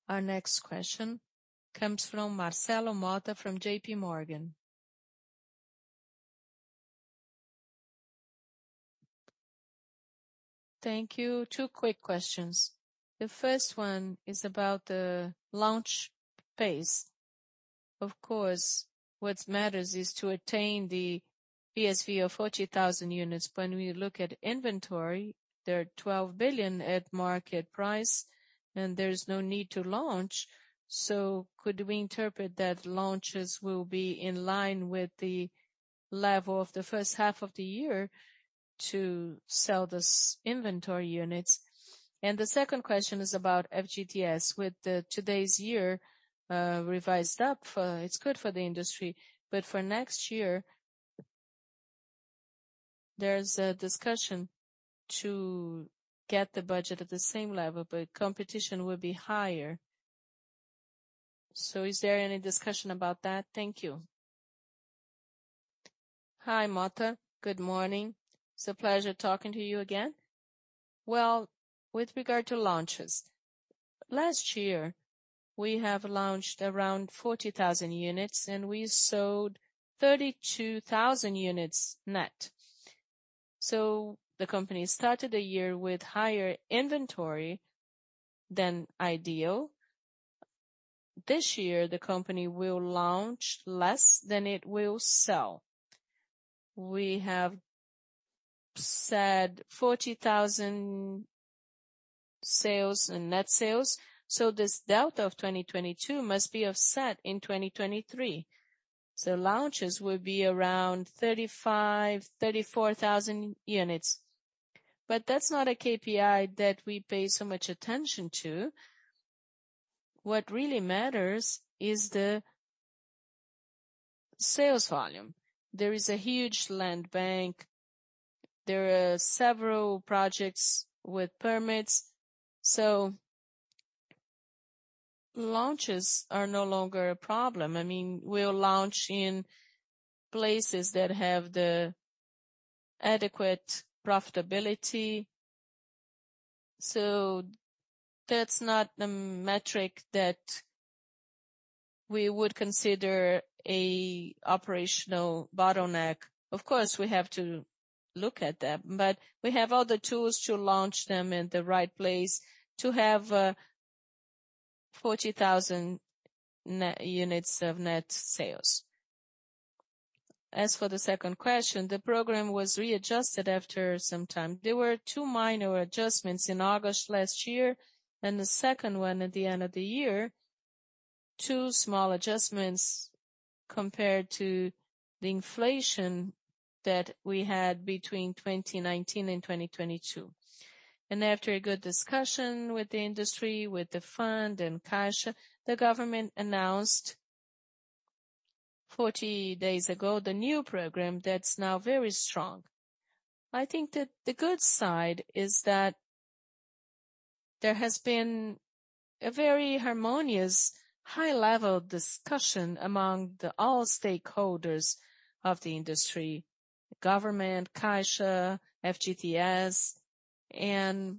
Our next question comes from Marcelo Motta from JP Morgan. Thank you. Two quick questions. The first one is about the launch pace. Of course, what matters is to attain the PSV of 40,000 units. When we look at inventory, there are 12 billion at market price, and there's no need to launch. Could we interpret that launches will be in line with the level of the first half of the year to sell this inventory units? The second question is about FGTS. With today's year revised up, it's good for the industry, but for next year, there's a discussion to get the budget at the same level, but competition will be higher. Is there any discussion about that? Thank you. Hi, Motta. Good morning. It's a pleasure talking to you again. Well, with regard to launches, last year, we have launched around 40,000 units, and we sold 32,000 units net. The company started the year with higher inventory than ideal. This year, the company will launch less than it will sell. We have set 40,000 sales and net sales, so this delta of 2022 must be offset in 2023. Launches will be around 35,000, 34,000 units. That's not a KPI that we pay so much attention to. What really matters is the sales volume. There is a huge land bank. There are several projects with permits. Launches are no longer a problem. I mean, we'll launch in places that have the adequate profitability. That's not a metric that we would consider an operational bottleneck. Of course, we have to look at that. We have all the tools to launch them in the right place to have 40,000 units of net sales. As for the second question, the program was readjusted after some time. There were two minor adjustments in August last year and the second one at the end of the year, two small adjustments compared to the inflation that we had between 2019 and 2022. After a good discussion with the industry, with the fund and Caixa, the government announced 40 days ago the new program that's now very strong. I think that the good side is that there has been a very harmonious, high-level discussion among all stakeholders of the industry, government, Caixa, FGTS, and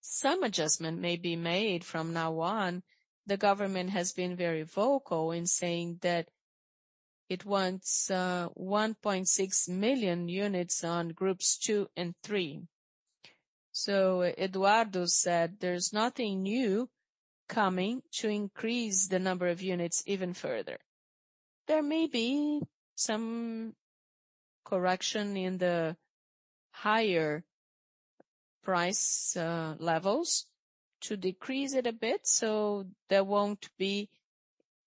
some adjustment may be made from now on. The government has been very vocal in saying that it wants 1.6 million units on groups 2 and 3. Eduardo said there's nothing new coming to increase the number of units even further. There may be some correction in the higher price levels to decrease it a bit so there won't be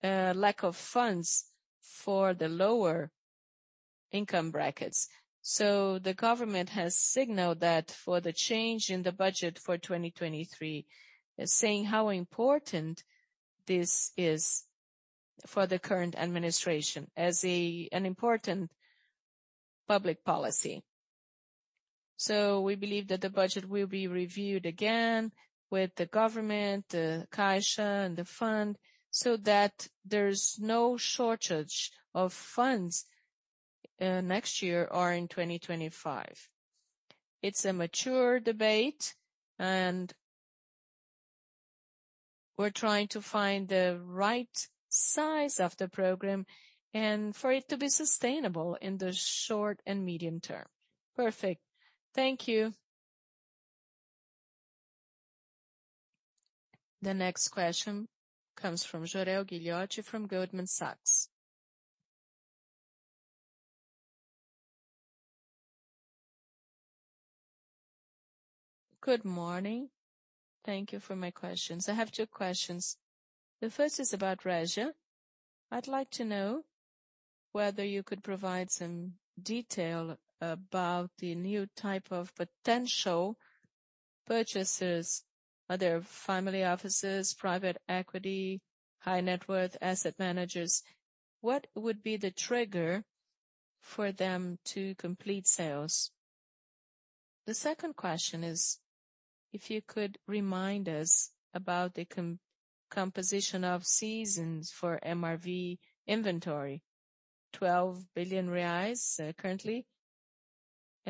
a lack of funds for the lower income brackets. The government has signaled that for the change in the budget for 2023, saying how important this is for the current administration as an important public policy. We believe that the budget will be reviewed again with the government, the Caixa, and the fund so that there's no shortage of funds next year or in 2025. It's a mature debate, we're trying to find the right size of the program and for it to be sustainable in the short and medium term. Perfect. Thank you. The next question comes from Jorel Guilloty from Goldman Sachs. Good morning. Thank you for my questions. I have two questions. The first is about Resia. I'd like to know whether you could provide some detail about the new type of potential purchasers. Are there family offices, private equity, high-net-worth asset managers? What would be the trigger for them to complete sales? The second question is if you could remind us about the composition of seasons for MRV inventory, 12 billion reais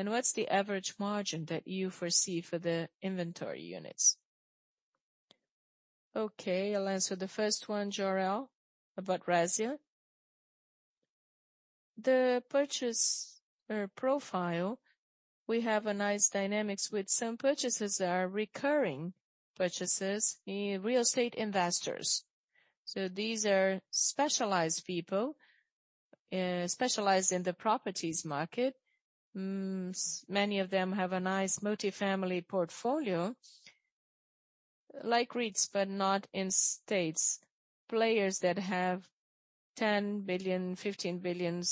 currently, and what's the average margin that you foresee for the inventory units. Okay, I'll answer the first one, Jorel, about Resia. The purchase profile, we have a nice dynamics with some purchases that are recurring purchases, real estate investors. These are specialized people, specialized in the properties market. Many of them have a nice multifamily portfolio, like REITs but not in states, players that have $10 billion, $15 billion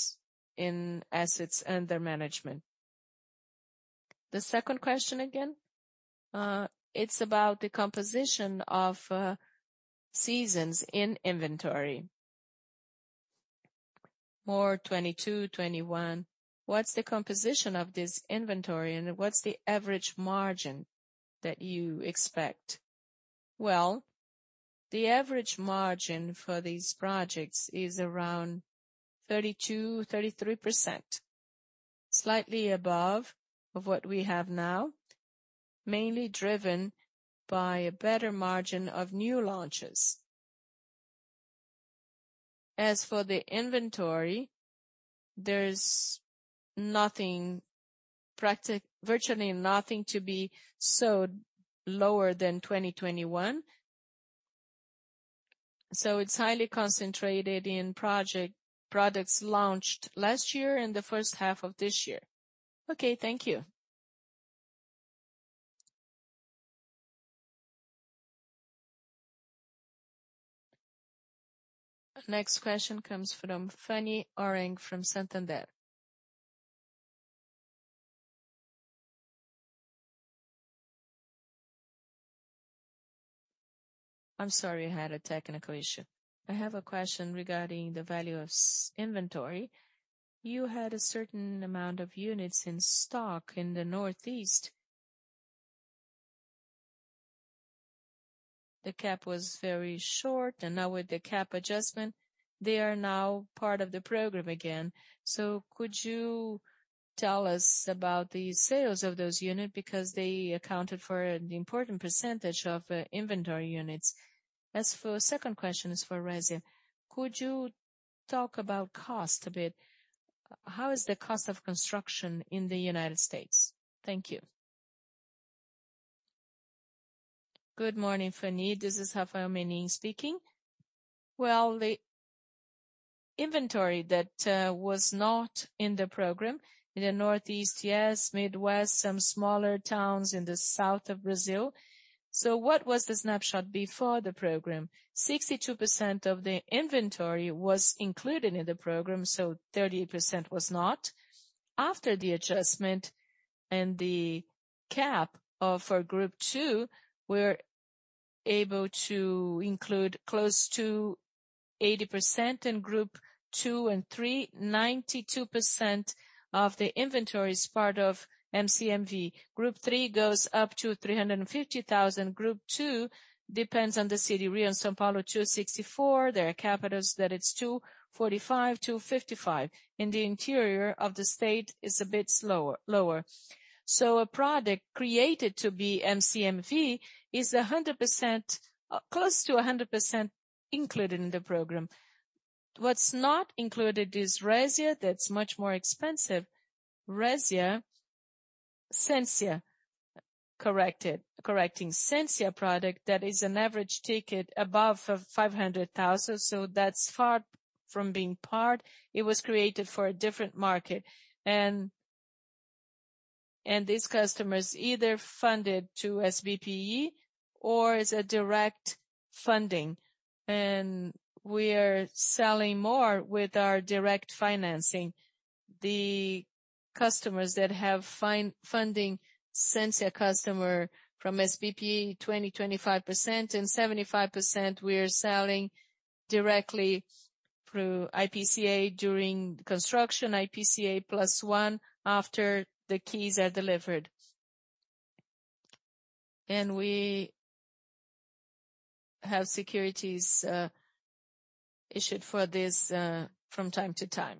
in assets under management. The second question again, it's about the composition of seasons in inventory, more 2022, 2021. What's the composition of this inventory, and what's the average margin that you expect? Well, the average margin for these projects is around 32%-33%, slightly above what we have now, mainly driven by a better margin of new launches. As for the inventory, there's nothing, virtually nothing to be sold lower than 2021. It's highly concentrated in products launched last year and the first half of this year. Okay, thank you. Next question comes from Fanny Oreng from Santander. I'm sorry, I had a technical issue. I have a question regarding the value of inventory. You had a certain amount of units in stock in the Northeast. The cap was very short, and now with the cap adjustment, they are now part of the program again. Could you tell us about the sales of those units because they accounted for an important % of inventory units? As for the second question, it's for Resia. Could you talk about cost a bit? How is the cost of construction in the United States? Thank you. Good morning, Fanny. This is Hafa Menin speaking. Well, the inventory that was not in the program in the Northeast, yes, Midwest, some smaller towns in the south of Brazil. What was the snapshot before the program? 62% of the inventory was included in the program, so 38% was not. After the adjustment and the cap for group two, we were able to include close to 80%, and group two and three, 92% of the inventory is part of MCMV. Group three goes up to 350,000. Group two depends on the city. Rio and São Paulo, 264. There are capitals that it's 245, 255. In the interior of the state, it's a bit slower, lower. A product created to be MCMV is close to 100% included in the program. What's not included is Resia that's much more expensive. Resia, Resia, correcting, Resia product that is an average ticket above 500,000, so that's far from being part. It was created for a different market. These customers either funded through SBPE or it's a direct funding. We are selling more with our direct financing. The customers that have funding, Caixa customer from SBPE, 20%, 25%, and 75% we are selling directly through IPCA during construction, IPCA + 1 after the keys are delivered. We have securities issued for this from time to time.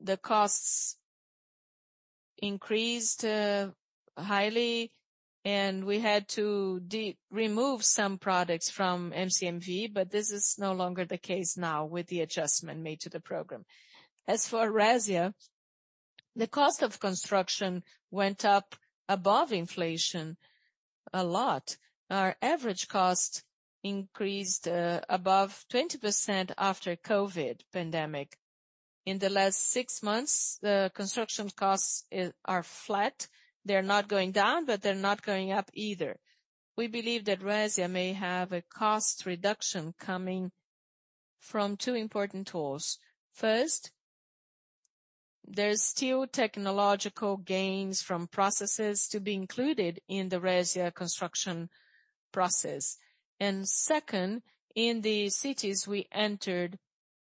The costs increased highly, and we had to remove some products from MCMV, but this is no longer the case now with the adjustment made to the program. As for Resia, the cost of construction went up above inflation a lot. Our average cost increased above 20% after the COVID pandemic. In the last six months, the construction costs are flat. They're not going down, but they're not going up either. We believe that Resia may have a cost reduction coming from two important tools. First, there's still technological gains from processes to be included in the Resia construction process. Second, in the cities we entered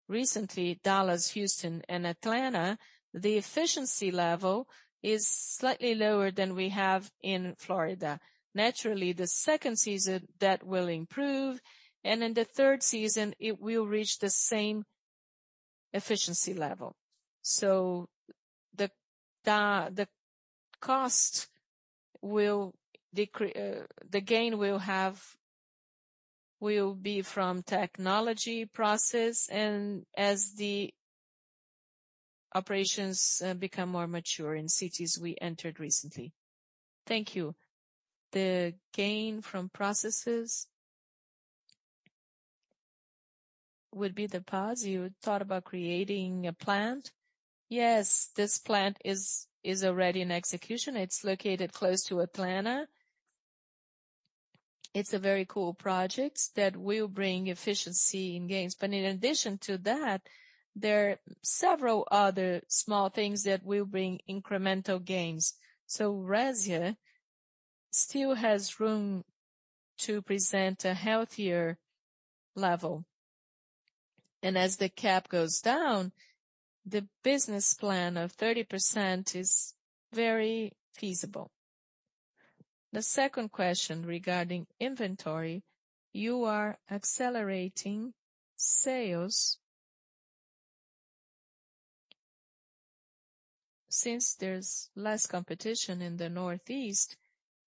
recently, Dallas, Houston, and Atlanta, the efficiency level is slightly lower than we have in Florida. Naturally, the second season that will improve, and in the third season, it will reach the same efficiency level. The cost will, the gain will be from technology process, and as the operations become more mature in cities we entered recently. Thank you. The gain from processes would be. You thought about creating a plant? Yes, this plant is already in execution. It's located close to Atlanta. It's a very cool project that will bring efficiency and gains. In addition to that, there are several other small things that will bring incremental gains. Resia still has room to present a healthier level. As the cap goes down, the business plan of 30% is very feasible. The second question regarding inventory, you are accelerating sales. Since there's less competition in the Northeast,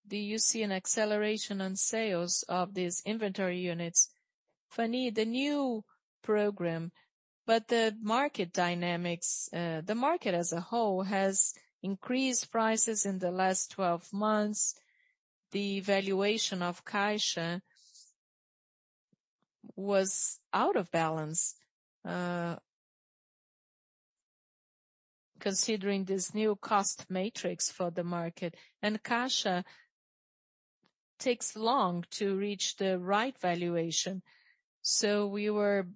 do you see an acceleration on sales of these inventory units? Fanny, the new program, but the market dynamics, the market as a whole has increased prices in the last 12 months. The valuation of Caixa was out of balance considering this new cost matrix for the market. Caixa takes long to reach the right valuation. We were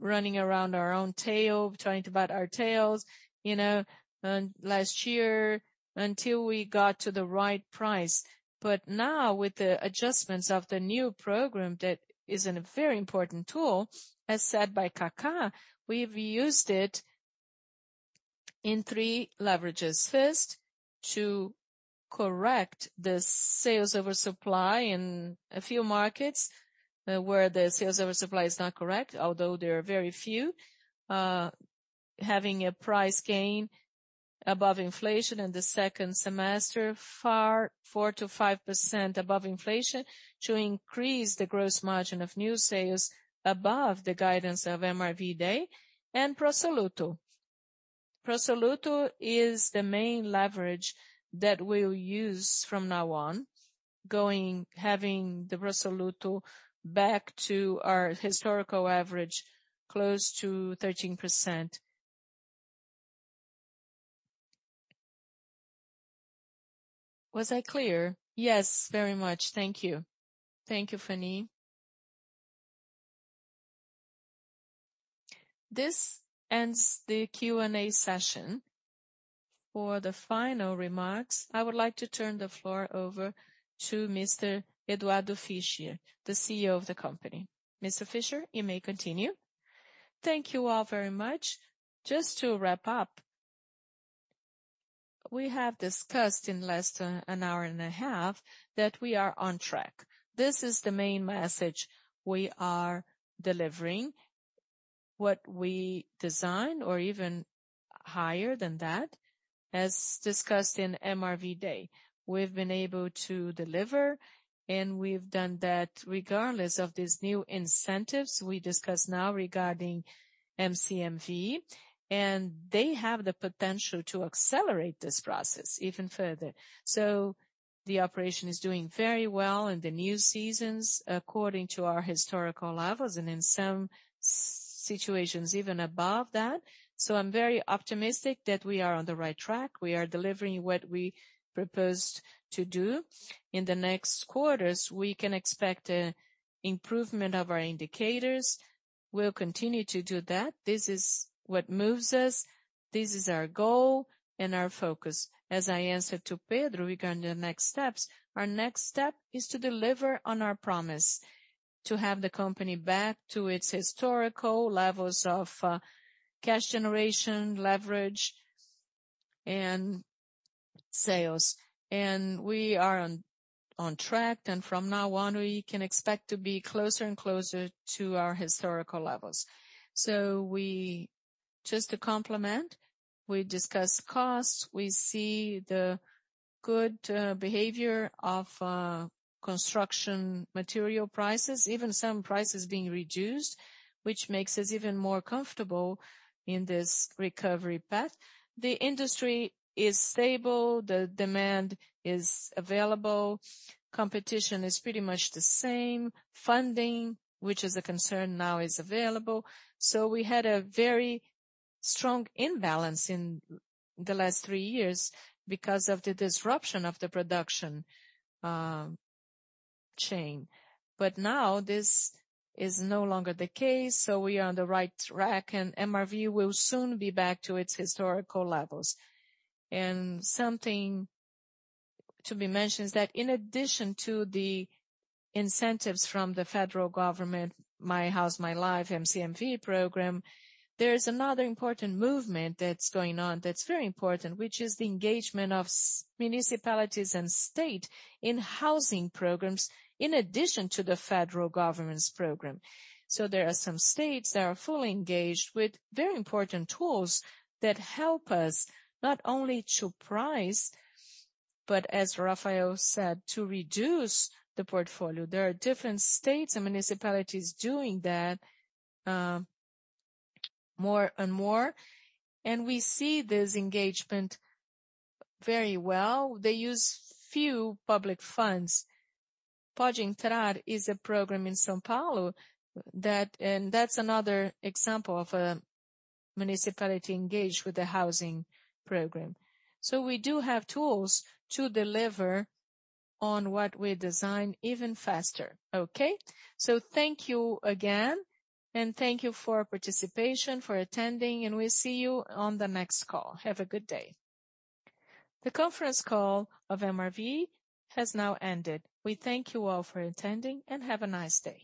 running around our own tail, trying to butt our tails last year until we got to the right price. Now, with the adjustments of the new program that is a very important tool, as said by Kaká, we've used it in three leverages. First, to correct the sales over supply in a few markets where the sales over supply is not correct, although there are very few, having a price gain above inflation in the second semester, 4-5% above inflation, to increase the gross margin of new sales above the guidance of MRV Day, and prosoluto. Prosoluto is the main leverage that we'll use from now on, having the prosoluto back to our historical average, close to 13%. Was I clear? Yes, very much. Thank you. Thank you, Fani. This ends the Q&A session. For the final remarks, I would like to turn the floor over to Mr. Eduardo Fischer, the CEO of the company. Mr. Fischer, you may continue. Thank you all very much. Just to wrap up, we have discussed in less than an hour and a half that we are on track. This is the main message we are delivering, what we design, or even higher than that, as discussed in MRV Day. We've been able to deliver, and we've done that regardless of these new incentives we discuss now regarding MCMV, and they have the potential to accelerate this process even further. The operation is doing very well in the new seasons according to our historical levels, and in some situations, even above that. I'm very optimistic that we are on the right track. We are delivering what we proposed to do. In the next quarters, we can expect an improvement of our indicators. We'll continue to do that. This is what moves us. This is our goal and our focus. As I answered to Pedro regarding the next steps, our next step is to deliver on our promise to have the company back to its historical levels of cash generation, leverage, and sales. We are on track, and from now on, we can expect to be closer and closer to our historical levels. Just to complement, we discussed costs. We see the good behavior of construction material prices, even some prices being reduced, which makes us even more comfortable in this recovery path. The industry is stable. The demand is available. Competition is pretty much the same. Funding, which is a concern now, is available. We had a very strong imbalance in the last three years because of the disruption of the production chain. Now this is no longer the case, so we are on the right track, and MRV will soon be back to its historical levels. Something to be mentioned is that in addition to the incentives from the federal government, My House, My Life, MCMV program, there's another important movement that's going on that's very important, which is the engagement of municipalities and state in housing programs in addition to the federal government's program. There are some states that are fully engaged with very important tools that help us not only to price, but as Rafael said, to reduce the portfolio. There are different states and municipalities doing that more and more, and we see this engagement very well. They use few public funds. Pode Entrar is a program in São Paulo, and that's another example of a municipality engaged with the housing program. We do have tools to deliver on what we design even faster, okay? Thank you again, and thank you for participation, for attending, and we see you on the next call. Have a good day. The conference call of MRV has now ended. We thank you all for attending, and have a nice day.